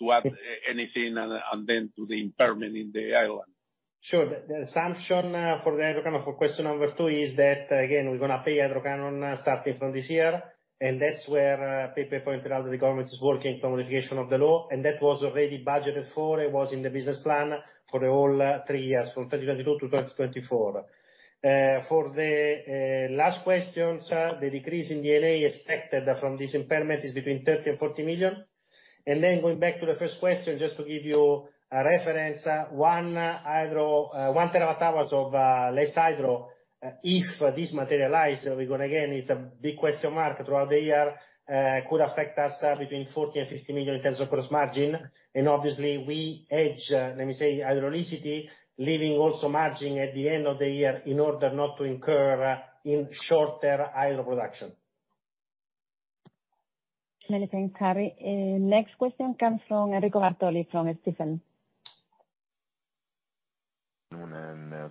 to add anything and then to the impairment in the island. Sure. The assumption for the hydro canon for question number two is that, again, we're gonna pay hydro canon starting from this year, and that's where Pepe pointed out that the government is working for modification of the law, and that was already budgeted for. It was in the business plan for the whole three years from 2022-2024. For the last questions, the decrease in the D&A expected from this impairment is between 30 million and 40 million. Then going back to the first question, just to give you a reference, 1 TWh of less hydro if this materialize. It's a big question mark throughout the year and could affect us between 40 million and 50 million in terms of gross margin. Obviously we hedge, let me say, hydroelectricity, leaving also margin at the end of the year in order not to incur in shorter hydro production. Many thanks, Harry. Next question comes from Enrico Bartoli from Stifel. Noon,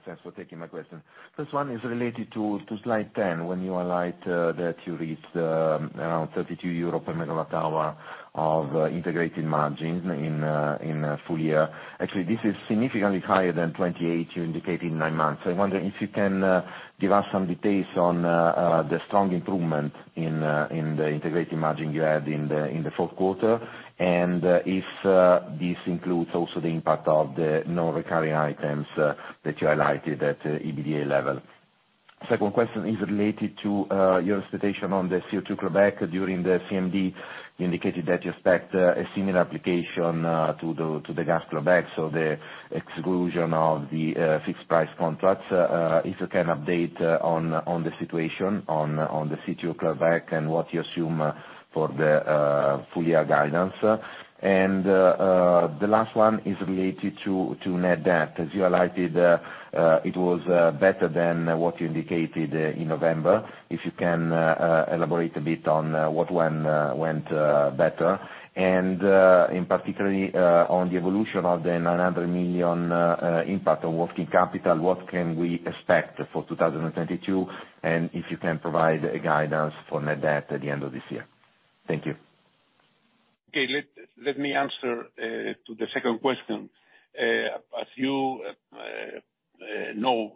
thanks for taking my question. First one is related to slide 10 when you highlight that you reached around 32 euro per MWh of integrated margin in full year. Actually, this is significantly higher than 28 you indicate in nine months. I wonder if you can give us some details on the strong improvement in the integrated margin you had in the fourth quarter, and if this includes also the impact of the non-recurring items that you highlighted at the EBITDA level. Second question is related to your expectation on the CO2 clawback during the CMD. You indicated that you expect a similar application to the gas clawback, so the exclusion of the fixed price contracts. If you can update on the situation on the CO2 clawback and what you assume for the full year guidance. The last one is related to net debt. As you highlighted, it was better than what you indicated in November. If you can elaborate a bit on what went better, and in particular on the evolution of the 900 million impact on working capital, what can we expect for 2022, and if you can provide a guidance for net debt at the end of this year. Thank you. Okay. Let me answer to the second question. As you know,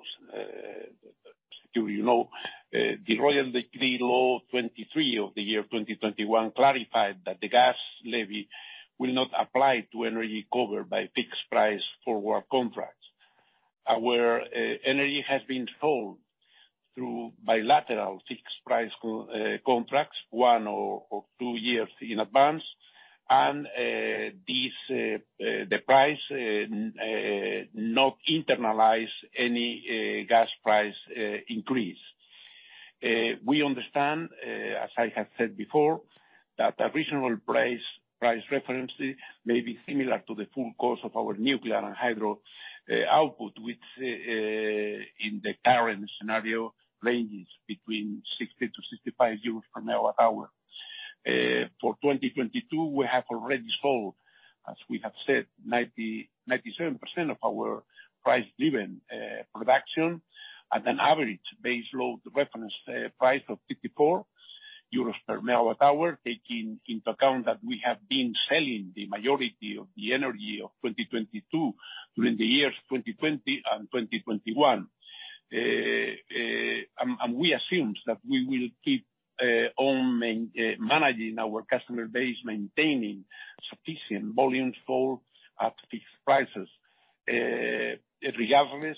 the Royal Decree-Law 23/2021 clarified that the gas levy will not apply to energy covered by fixed-price forward contracts, where energy has been sold through bilateral fixed-price contracts one or two years in advance and this, the price does not internalize any gas price increase. We understand, as I have said before, that the regional price reference may be similar to the full cost of our nuclear and hydro output, which in the current scenario ranges between 60-65 euros per MWh. For 2022, we have already sold, as we have said, 97% of our price driven production at an average baseload reference price of 54 euros per MWh, taking into account that we have been selling the majority of the energy of 2022 during the years 2020 and 2021. We assumed that we will keep on managing our customer base, maintaining sufficient volume flow at fixed prices, regardless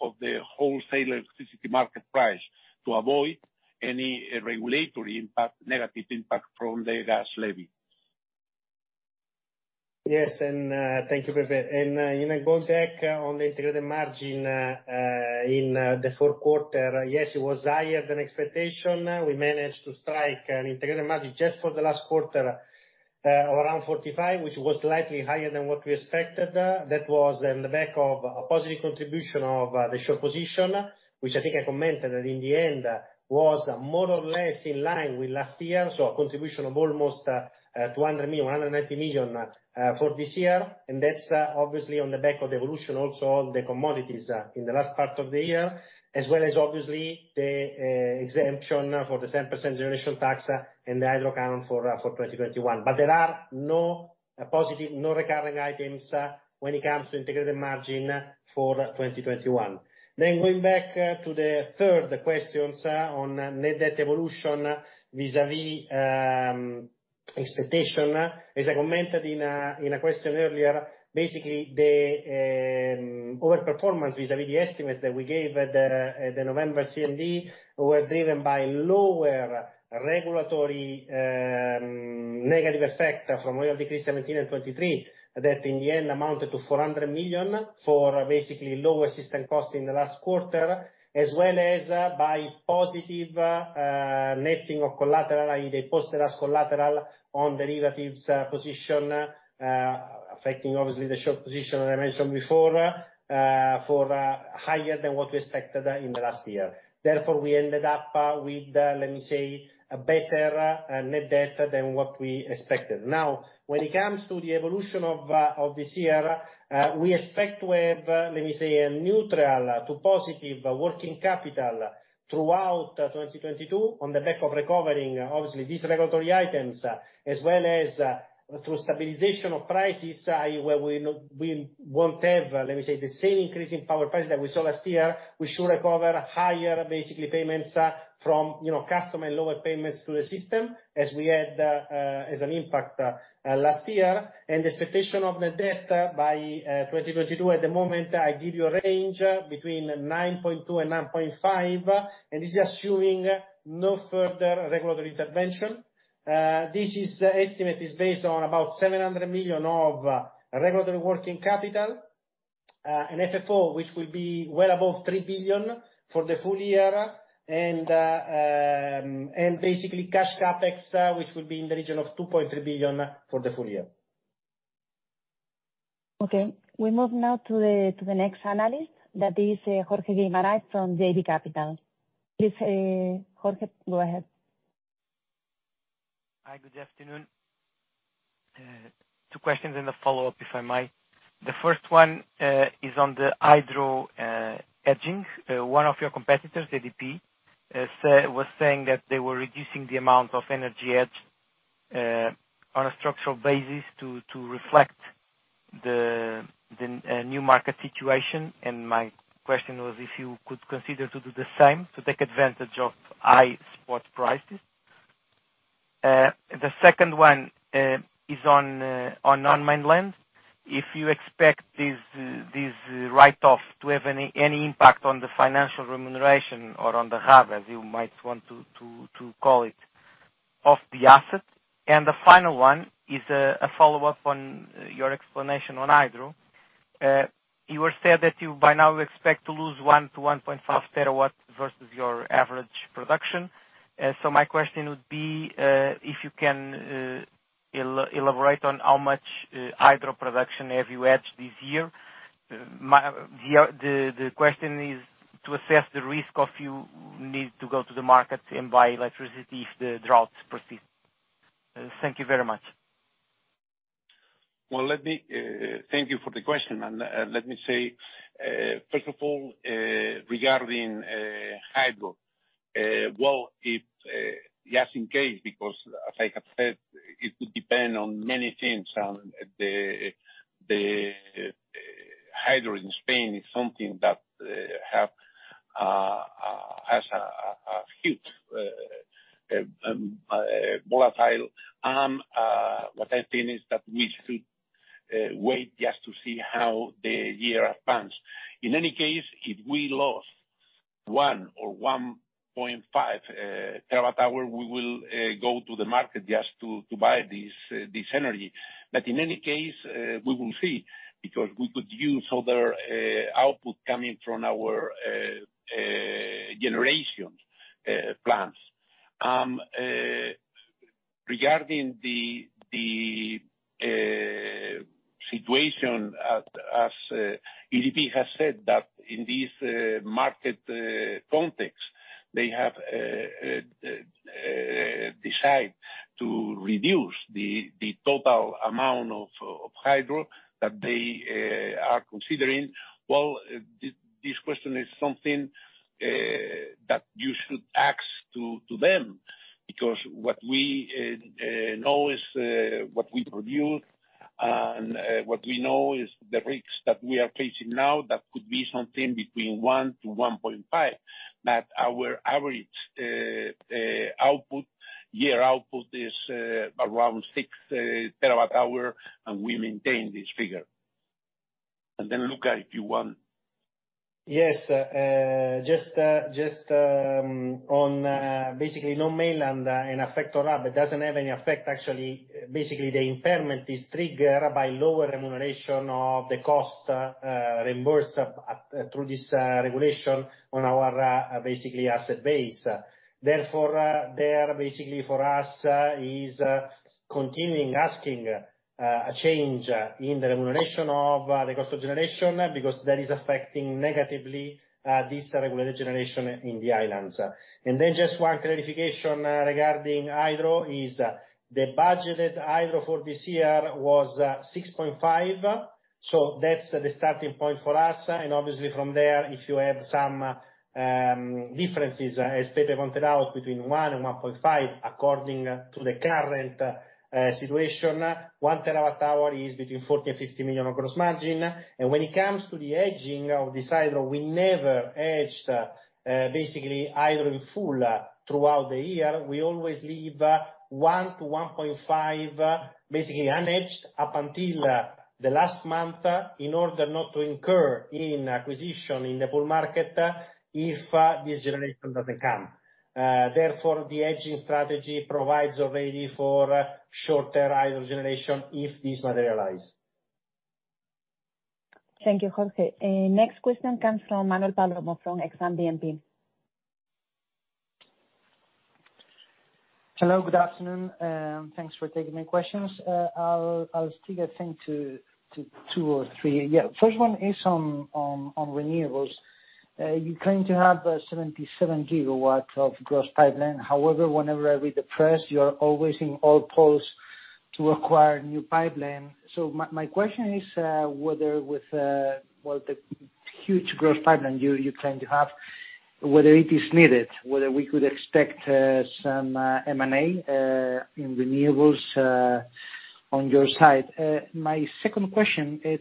of the wholesale electricity market price to avoid any regulatory impact, negative impact from the gas levy. Yes, thank you, Pepe. You know, going back on the integrated margin, in the fourth quarter, yes, it was higher than expectation. We managed to strike an integrated margin just for the last quarter, around 45 million, which was slightly higher than what we expected. That was on the back of a positive contribution of the short position, which I think I commented that in the end was more or less in line with last year. A contribution of almost 190 million for this year. That's obviously on the back of the evolution also of the commodities in the last part of the year, as well as obviously the exemption for the 7% generation tax and the hydro canon for 2021. There are no positive, no recurring items when it comes to integrated margin for 2021. Going back to the third question on net debt evolution vis-à-vis expectation, as I commented in a question earlier, basically the overperformance vis-à-vis the estimates that we gave at the November CMD were driven by lower regulatory negative effect from Royal Decree 17 and 23. That in the end amounted to 400 million for basically lower system cost in the last quarter, as well as by positive netting of collateral, i.e., they posted us collateral on derivatives position, affecting obviously the short position that I mentioned before for higher than what we expected in the last year. Therefore, we ended up with, let me say, a better net debt than what we expected. Now, when it comes to the evolution of this year, we expect to have, let me say, a neutral to positive working capital throughout 2022 on the back of recovering, obviously, these regulatory items, as well as through stabilization of prices, where we won't have, let me say, the same increase in power price that we saw last year. We should recover higher, basically, payments from, you know, customer and lower payments to the system as we had as an impact last year. Expectation of net debt by 2022, at the moment I give you a range between 9.2 and 9.5, and this is assuming no further regulatory intervention. This estimate is based on about 700 million of regulatory working capital and FFO, which will be well above 3 billion for the full year and basically cash CapEx, which will be in the region of 2.3 billion for the full year. Okay. We move now to the next analyst, that is, Jorge Guimarães from JB Capital. Please, Jorge, go ahead. Hi, good afternoon. Two questions and a follow-up, if I may. The first one is on the hydro hedging. One of your competitors, EDP, was saying that they were reducing the amount of energy hedged on a structural basis to reflect the new market situation, and my question was if you could consider to do the same to take advantage of high spot prices. The second one is on mainland. If you expect this write-off to have any impact on the financial remuneration or on the RAB, as you might want to call it, of the asset. The final one is a follow-up on your explanation on hydro. You said that you by now expect to lose 1-1.5 TW versus your average production. My question would be, if you can elaborate on how much hydro production have you hedged this year? The question is to assess the risk of you need to go to the market and buy electricity if the droughts persist. Thank you very much. Thank you for the question. Let me say, first of all, regarding hydro. Just in case, because as I have said, it would depend on many things. The hydro in Spain is something that has a huge volatility. What I think is that we should wait just to see how the year advance. In any case, if we lost 1 or 1.5 TWh, we will go to the market just to buy this energy. In any case, we will see, because we could use other output coming from our generation plants. Regarding the situation as EDP has said that in this market context, they have decided to reduce the total amount of hydro that they are considering. Well, this question is something that you should ask to them, because what we know is what we produced, and what we know is the risks that we are facing now, that could be something between 1-1.5. Our average yearly output is around 6 TWh, and we maintain this figure. Then Luca, if you want. Yes. Just on basically no mainland effect on RAB, it doesn't have any effect actually. Basically, the impairment is triggered by lower remuneration of the cost reimbursed through this regulation on our basically asset base. Therefore, they are basically for us is continuing asking a change in the remuneration of the cost of generation, because that is affecting negatively this regulated generation in the islands. Just one clarification regarding hydro, the budgeted hydro for this year was 6.5. So that's the starting point for us. Obviously from there, if you have some differences, as Pepe pointed out, between 1 and 1.5, according to the current situation, 1 TWh is between 40 million and 50 million of gross margin. When it comes to the hedging of this hydro, we never hedged, basically hydro in full throughout the year. We always leave 1-1.5, basically unhedged up until the last month, in order not to incur a position in the full market if this generation doesn't come. Therefore, the hedging strategy provides already for shorter hydro generation if this materialize. Thank you, Jorge. Next question comes from Manuel Palomo, from Exane BNP. Hello, good afternoon. Thanks for taking my questions. I'll stick, I think, to two or three. First one is on renewables. You claim to have 77 GW of gross pipeline. However, whenever I read the press, you are always involved to acquire new pipeline. So my question is whether, with well, the huge growth pipeline you claim to have, whether it is needed, whether we could expect some M&A in renewables on your side. My second question is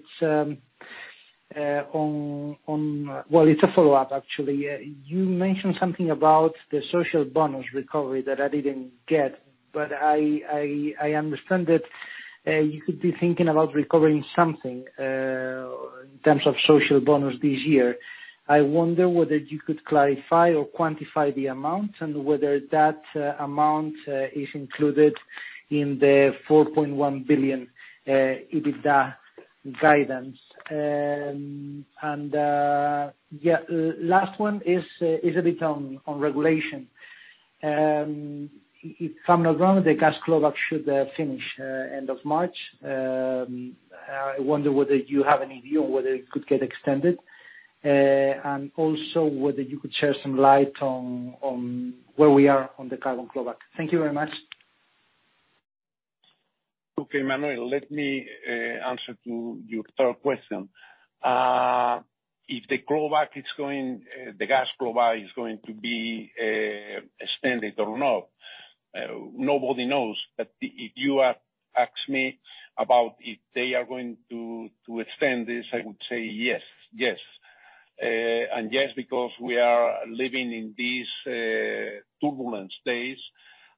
a follow-up, actually. You mentioned something about the Social Bonus recovery that I didn't get, but I understand that you could be thinking about recovering something in terms of Social Bonus this year. I wonder whether you could clarify or quantify the amount, and whether that amount is included in the 4.1 billion EBITDA guidance. Last one is a bit on regulation. I wonder whether you have any view on whether it could get extended, and also whether you could shed some light on where we are on the carbon clawback. Thank you very much. Okay, Manuel, let me answer to your third question. If globally the gas clawback is going to be extended or not, nobody knows. If you ask me about if they are going to extend this, I would say yes. Yes, because we are living in these turbulent days,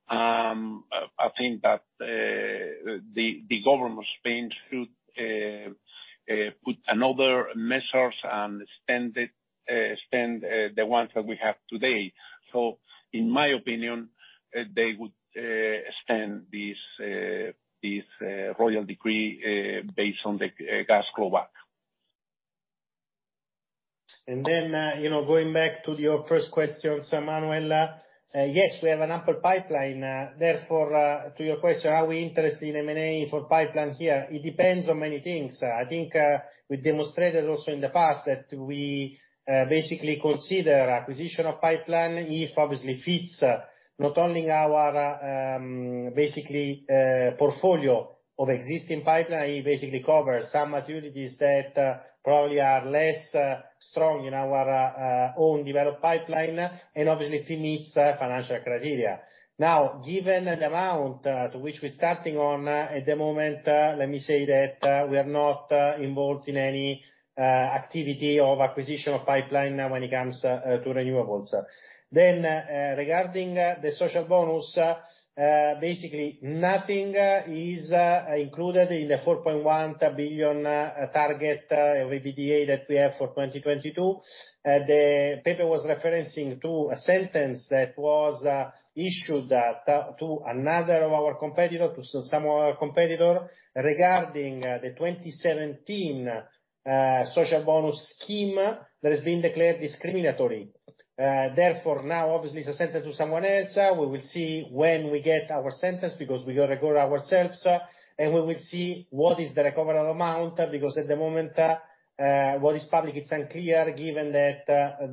I think that the government of Spain should put other measures and extend it, the ones that we have today. In my opinion, they would extend this Royal Decree based on the gas clawback. You know, going back to your first question, so Manuel, yes, we have an ample pipeline. Therefore, to your question, are we interested in M&A for pipeline here, it depends on many things. I think, we demonstrated also in the past that we, basically consider acquisition of pipeline if obviously fits not only our, basically, portfolio of existing pipeline, it basically covers some maturities that probably are less strong in our, own developed pipeline, and obviously if it meets financial criteria. Now, given the amount to which we're starting out at the moment, let me say that, we are not involved in any, activity of acquisition of pipeline when it comes, to renewables. Regarding the Social Bonus, basically nothing is included in the 4.1 billion target of EBITDA that we have for 2022. The paper was referencing to a ruling that was issued to some of our competitors, regarding the 2017 Social Bonus scheme that has been declared discriminatory. Therefore, now obviously it's a ruling to someone else. We will see when we get our ruling because we have a case ourselves, and we will see what the recoverable amount is, because at the moment what is public is unclear, given that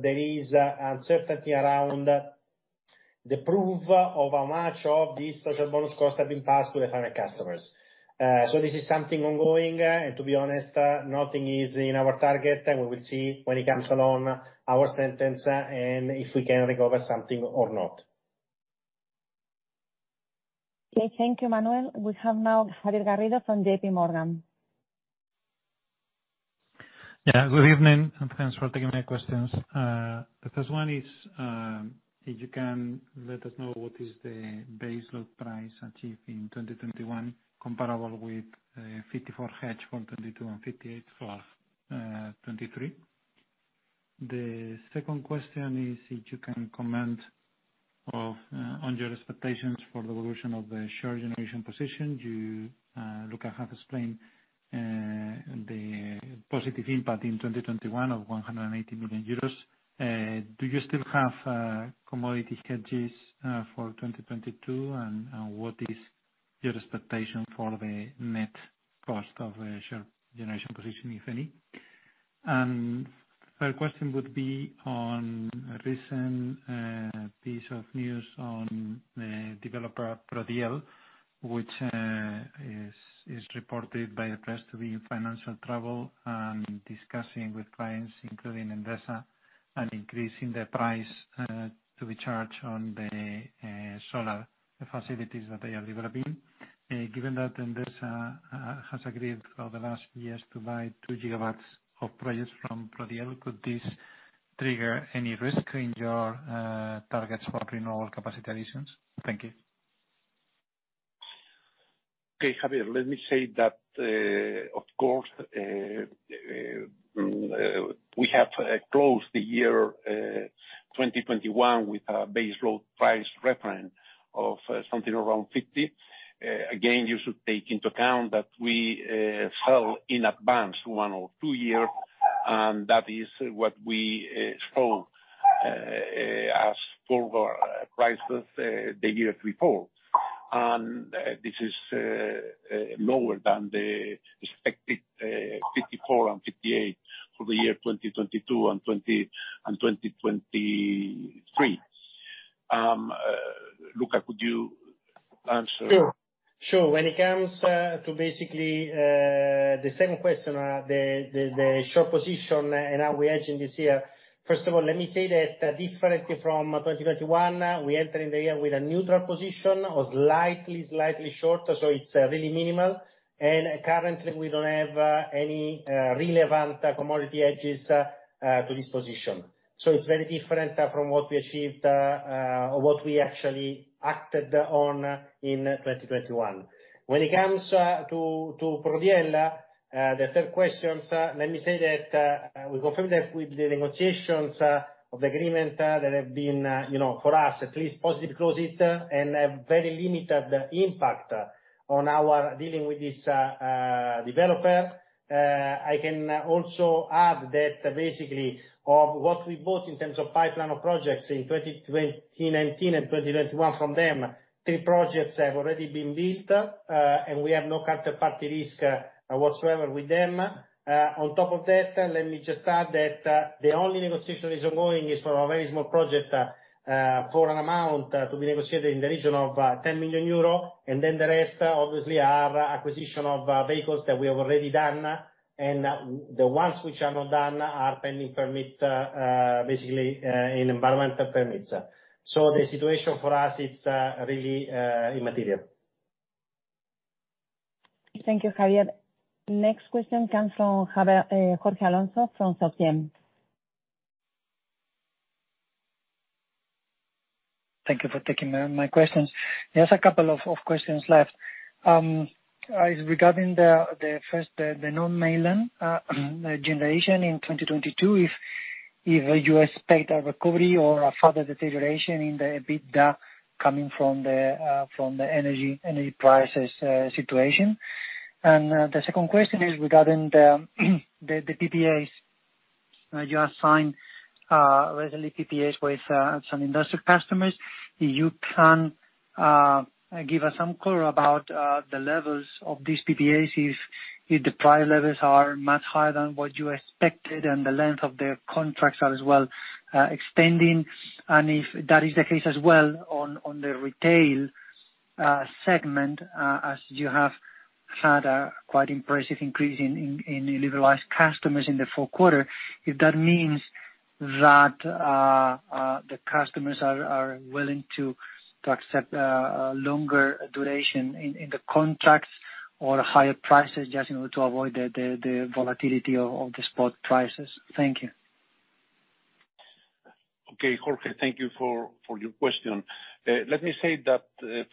there is uncertainty around. The proof of how much of these Social Bonus costs have been passed to the final customers. This is something ongoing, and to be honest, nothing is in our target. We will see when it comes along our sentence, and if we can recover something or not. Okay. Thank you, Manuel. We have now Javier Garrido from JPMorgan. Yeah. Good evening, and thanks for taking my questions. The first one is, if you can let us know what is the baseload price achieved in 2021 comparable with 54 hedge for 2022 and 58 for 2023. The second question is if you can comment on your expectations for the evolution of the short generation position. You, Luca, have explained the positive impact in 2021 of 180 million euros. Do you still have commodity hedges for 2022, and what is your expectation for the net cost of the short generation position, if any? Third question would be on a recent piece of news on the developer Prodiel, which is reported by the press to be in financial trouble and discussing with clients, including Endesa, and increasing the price to be charged on the solar facilities that they are developing. Given that Endesa has agreed for the last years to buy 2 GW of projects from Prodiel, could this trigger any risk in your targets for renewable capacity reasons? Thank you. Okay, Javier, let me say that of course we have closed the year 2021 with a base load price reference of something around 50. Again, you should take into account that we sell in advance one or two years, and that is what we show as forward prices the year before. This is lower than the expected 54 and 58 for the year 2022 and 2023. Luca, could you answer? Sure. When it comes to basically the second question on the short position and how we are entering this year, first of all, let me say that differently from 2021, we enter in the year with a neutral position or slightly shorter, so it's really minimal. Currently, we don't have any relevant commodity hedges to this position. It's very different from what we achieved or what we actually acted on in 2021. When it comes to Prodiel, the third question, let me say that we confirm that with the negotiations of agreement that have been, you know, for us at least positively closed, and have very limited impact on our dealings with this developer. I can also add that basically, of what we bought in terms of pipeline of projects in 2019 and 2021 from them, three projects have already been built, and we have no counterparty risk whatsoever with them. On top of that, let me just add that the only negotiation ongoing is for a very small project for an amount to be negotiated in the region of 10 million euro, and then the rest obviously are acquisition of vehicles that we have already done, and the ones which are not done are pending permit basically in environmental permits. The situation for us, it's really immaterial. Thank you, Javier. Next question comes from Jorge Alonso from SocGen. Thank you for taking my questions. There's a couple of questions left. Regarding the first, the non-mainland generation in 2022, if you expect a recovery or a further deterioration in the EBITDA coming from the energy prices situation. The second question is regarding the PPAs you assigned recently with some industrial customers. You can give us some color about the levels of these PPAs if the price levels are much higher than what you expected and the length of the contracts are as well extending. If that is the case as well on the retail segment, as you have had a quite impressive increase in liberalized customers in the fourth quarter, if that means that the customers are willing to accept a longer duration in the contracts or higher prices just in order to avoid the volatility of the spot prices. Thank you. Okay. Jorge, thank you for your question. Let me say that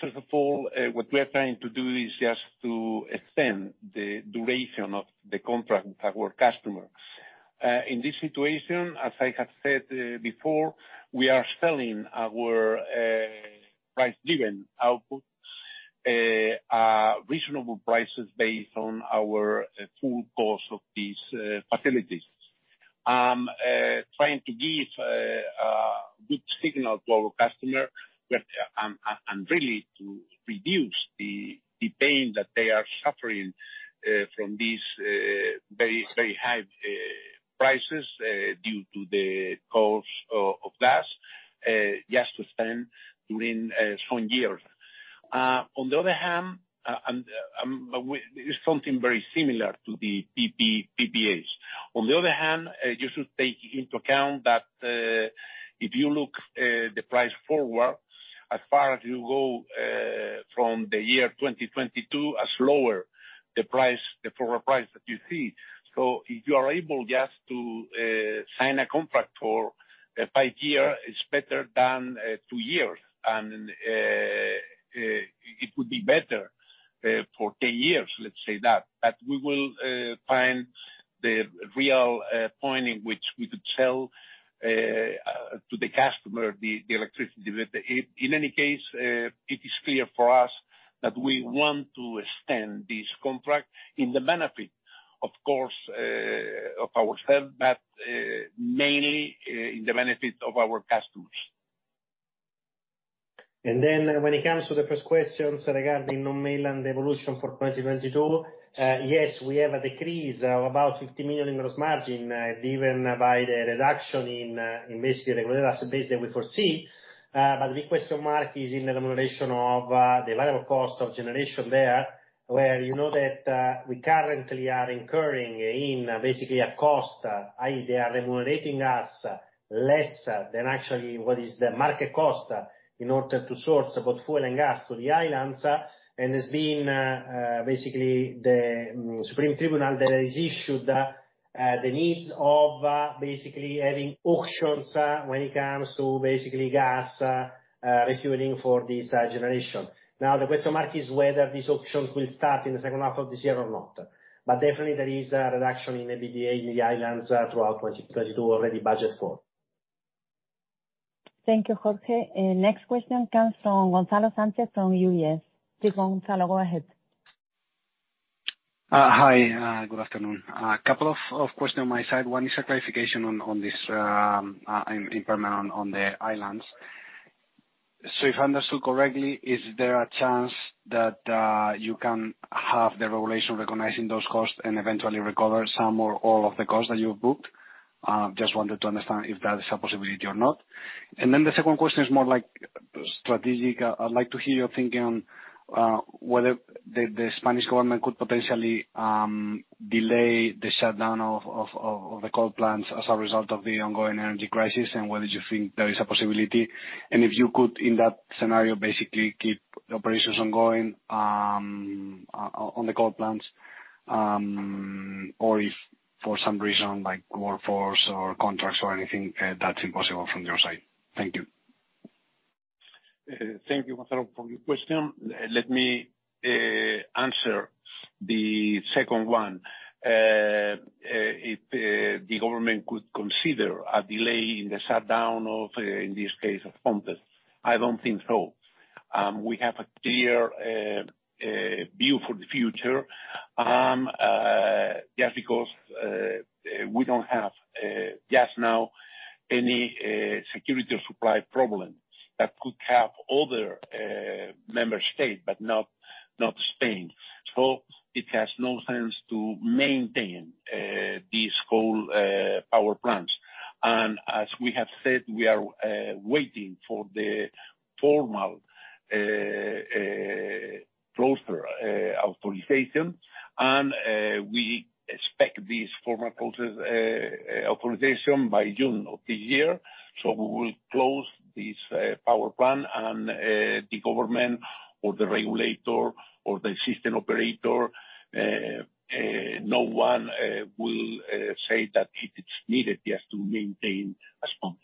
first of all, what we are trying to do is just to extend the duration of the contract with our customer. In this situation, as I have said before, we are selling our price-driven output at reasonable prices based on our full cost of these facilities. Trying to give a good signal to our customer and really to reduce the pain that they are suffering from these very, very high prices due to the cost of gas, just to spread during some years. On the other hand, it's something very similar to the PPAs. On the other hand, you should take into account that if you look at the forward price, the further you go from the year 2022, the lower the price, the forward price that you see. If you are able just to sign a contract for five years, it's better than two years. It would be better for 10 years, let's say that. We will find the real point in which we could sell to the customer the electricity with. In any case, it is clear for us that we want to extend this contract to the benefit, of course, of ourselves, but mainly to the benefit of our customers. When it comes to the first questions regarding non-mainland evolution for 2022, yes, we have a decrease of about 50 million in gross margin, driven by the reduction in invested regulated asset base that we foresee. But the big question mark is in the remuneration of the variable cost of generation there, where you know that we currently are incurring in basically a cost, i.e., they are remunerating us less than actually what is the market cost, in order to source both fuel and gas to the islands. It's been basically the Supreme Court that has issued the needs of basically having auctions, when it comes to basically gas refueling for this generation. Now, the question mark is whether these auctions will start in the second half of this year or not. Definitely there is a reduction in EBITDA in the islands throughout 2022 already budgeted for. Thank you, Jorge. Next question comes from Gonzalo Sánchez from UBS. Gonzalo, go ahead. Hi, good afternoon. A couple of question on my side. One is a clarification on this impairment on the islands. So if I understood correctly, is there a chance that you can have the regulation recognizing those costs and eventually recover some or all of the costs that you've booked? Just wanted to understand if that is a possibility or not. The second question is more like strategic. I'd like to hear your thinking on whether the Spanish government could potentially delay the shutdown of the coal plants as a result of the ongoing energy crisis, and whether you think there is a possibility. If you could, in that scenario, basically keep operations ongoing on the coal plants, or if for some reason, like workforce or contracts or anything, that's impossible from your side. Thank you. Thank you Gonzalo for your question. Let me answer the second one. If the government could consider a delay in the shutdown of, in this case, As Pontes, I don't think so. We have a clear view for the future, just because we don't have just now any security of supply problems that could have other member state, but not Spain. It has no sense to maintain these coal power plants. As we have said, we are waiting for the formal closure authorization, and we expect this formal closure authorization by June of this year. We will close this power plant and the government or the regulator or the system operator, no one will say that it is needed just to maintain As Pontes.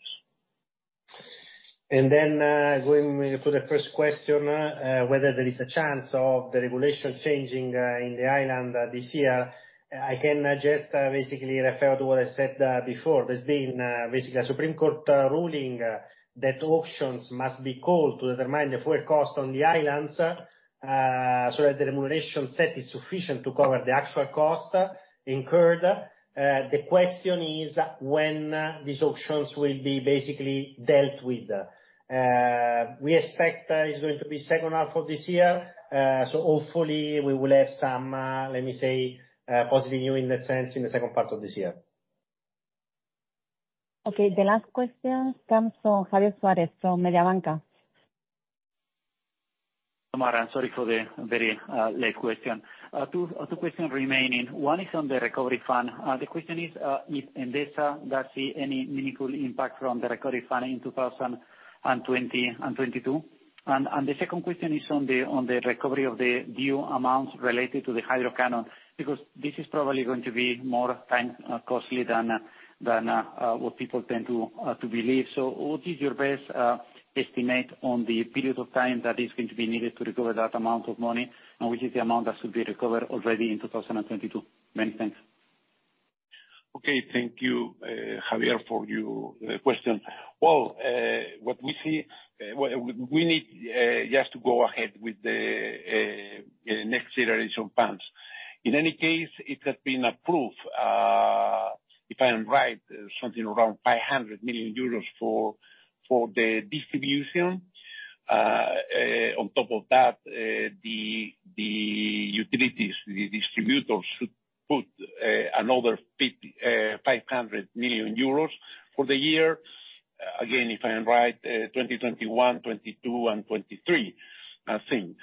Going to the first question, whether there is a chance of the regulation changing in the island this year, I can just basically refer to what I said before. There's been basically a Supreme Court ruling that auctions must be called to determine the full cost on the islands, so that the remuneration set is sufficient to cover the actual cost incurred. The question is when these auctions will be basically dealt with. We expect it's going to be second half of this year. Hopefully we will have some, let me say, positive news in that sense in the second part of this year. Okay. The last question comes from Javier Suárez from Mediobanca. Mar, sorry for the very late question. Two questions remaining. One is on the recovery fund. The question is if Endesa does see any meaningful impact from the recovery fund in 2020 and 2022. The second question is on the recovery of the due amounts related to the hydro canon, because this is probably going to be more time costly than what people tend to believe. What is your best estimate on the period of time that is going to be needed to recover that amount of money, and which is the amount that should be recovered already in 2022? Many thanks. Okay. Thank you, Javier, for your question. Well, what we see, what we need just to go ahead with the Next Generation plans. In any case, it has been approved. If I am right, something around 500 million euros for the distribution. On top of that, the utilities, the distributors should put another 500 million euros for the year. Again, if I am right, 2021, 2022, and 2023, I think.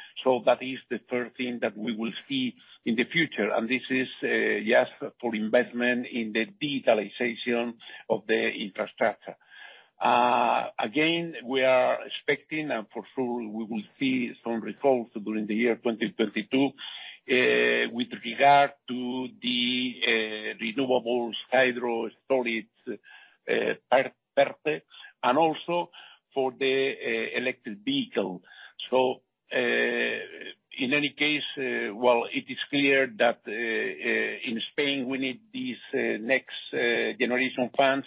That is the first thing that we will see in the future, and this is for investment in the digitalization of the infrastructure. Again, we are expecting, and for sure we will see some results during the year 2022, with regard to the renewables, hydro storage, PERTE, and also for the electric vehicle. In any case, while it is clear that in Spain we need these Next Generation plans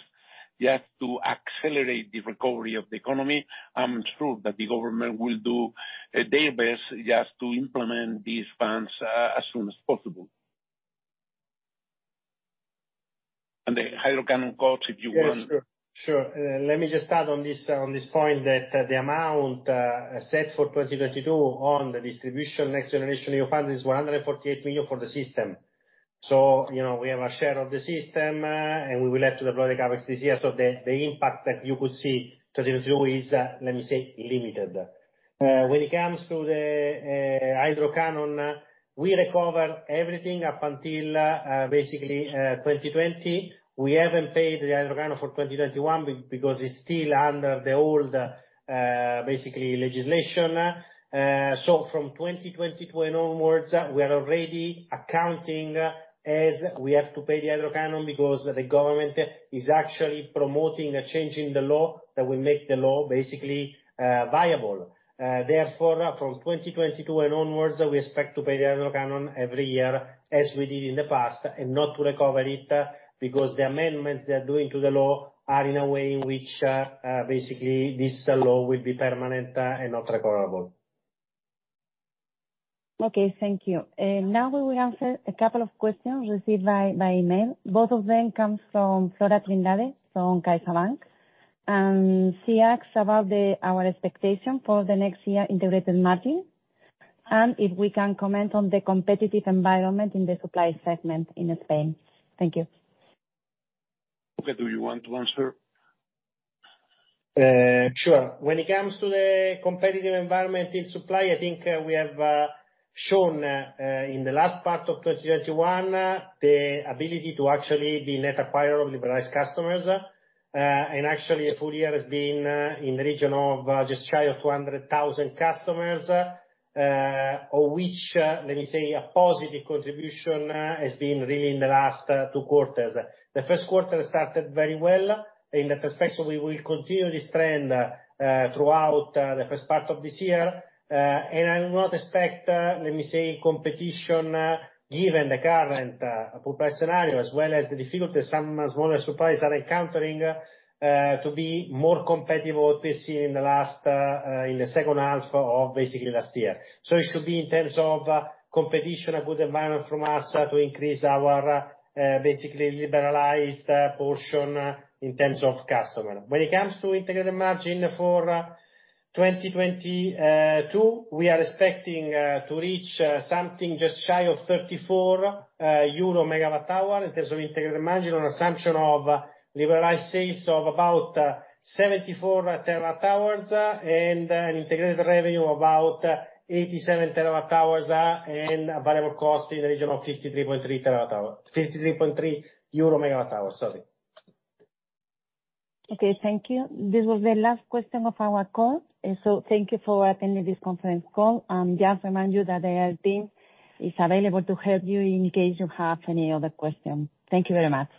just to accelerate the recovery of the economy, I'm sure that the government will do their best just to implement these plans as soon as possible. The hydro canon costs, if you want- Yeah, sure. Let me just add on this point that the amount set for 2022 on the distribution Next Generation of funds is 148 million for the system. You know, we have a share of the system, and we will have to deploy the CapEx this year, so the impact that you could see 2022 is, let me say, limited. When it comes to the hydro canon, we recover everything up until basically 2020. We haven't paid the hydro canon for 2021 because it's still under the old basically legislation. From 2022 and onwards, we are already accounting as we have to pay the hydro canon because the government is actually promoting a change in the law that will make the law basically viable. Therefore, from 2022 and onwards, we expect to pay the hydro canon every year as we did in the past and not to recover it, because the amendments they are doing to the law are in a way in which, basically this law will be permanent, and not recoverable. Okay, thank you. Now we will answer a couple of questions received by email. Both of them comes from Flora Trindade from CaixaBank, and she asks about our expectation for the next year integrated margin, and if we can comment on the competitive environment in the supply segment in Spain. Thank you. Luca, do you want to answer? Sure. When it comes to the competitive environment in supply, I think we have shown in the last part of 2021 the ability to actually be net acquirer of liberalized customers. Actually a full year has been in the region of just shy of 200,000 customers, of which, let me say, a positive contribution has been really in the last two quarters. The first quarter started very well. In that respect, we will continue this trend throughout the first part of this year. I do not expect, let me say, competition, given the current profile scenario as well as the difficulties some smaller suppliers are encountering, to be more competitive what we've seen in the last in the second half of basically last year. It should be in terms of competition, a good environment from us to increase our basically liberalized portion in terms of customer. When it comes to integrated margin for 2022, we are expecting to reach something just shy of 34 euro MWh in terms of integrated margin on assumption of liberalized sales of about 74 TWh, and an integrated revenue of about 87 TWh, and available costs in the region of 53.3 euro MWh, sorry. Okay, thank you. This was the last question of our call. Thank you for attending this conference call. Just remind you that the IR is available to help you in case you have any other question. Thank you very much.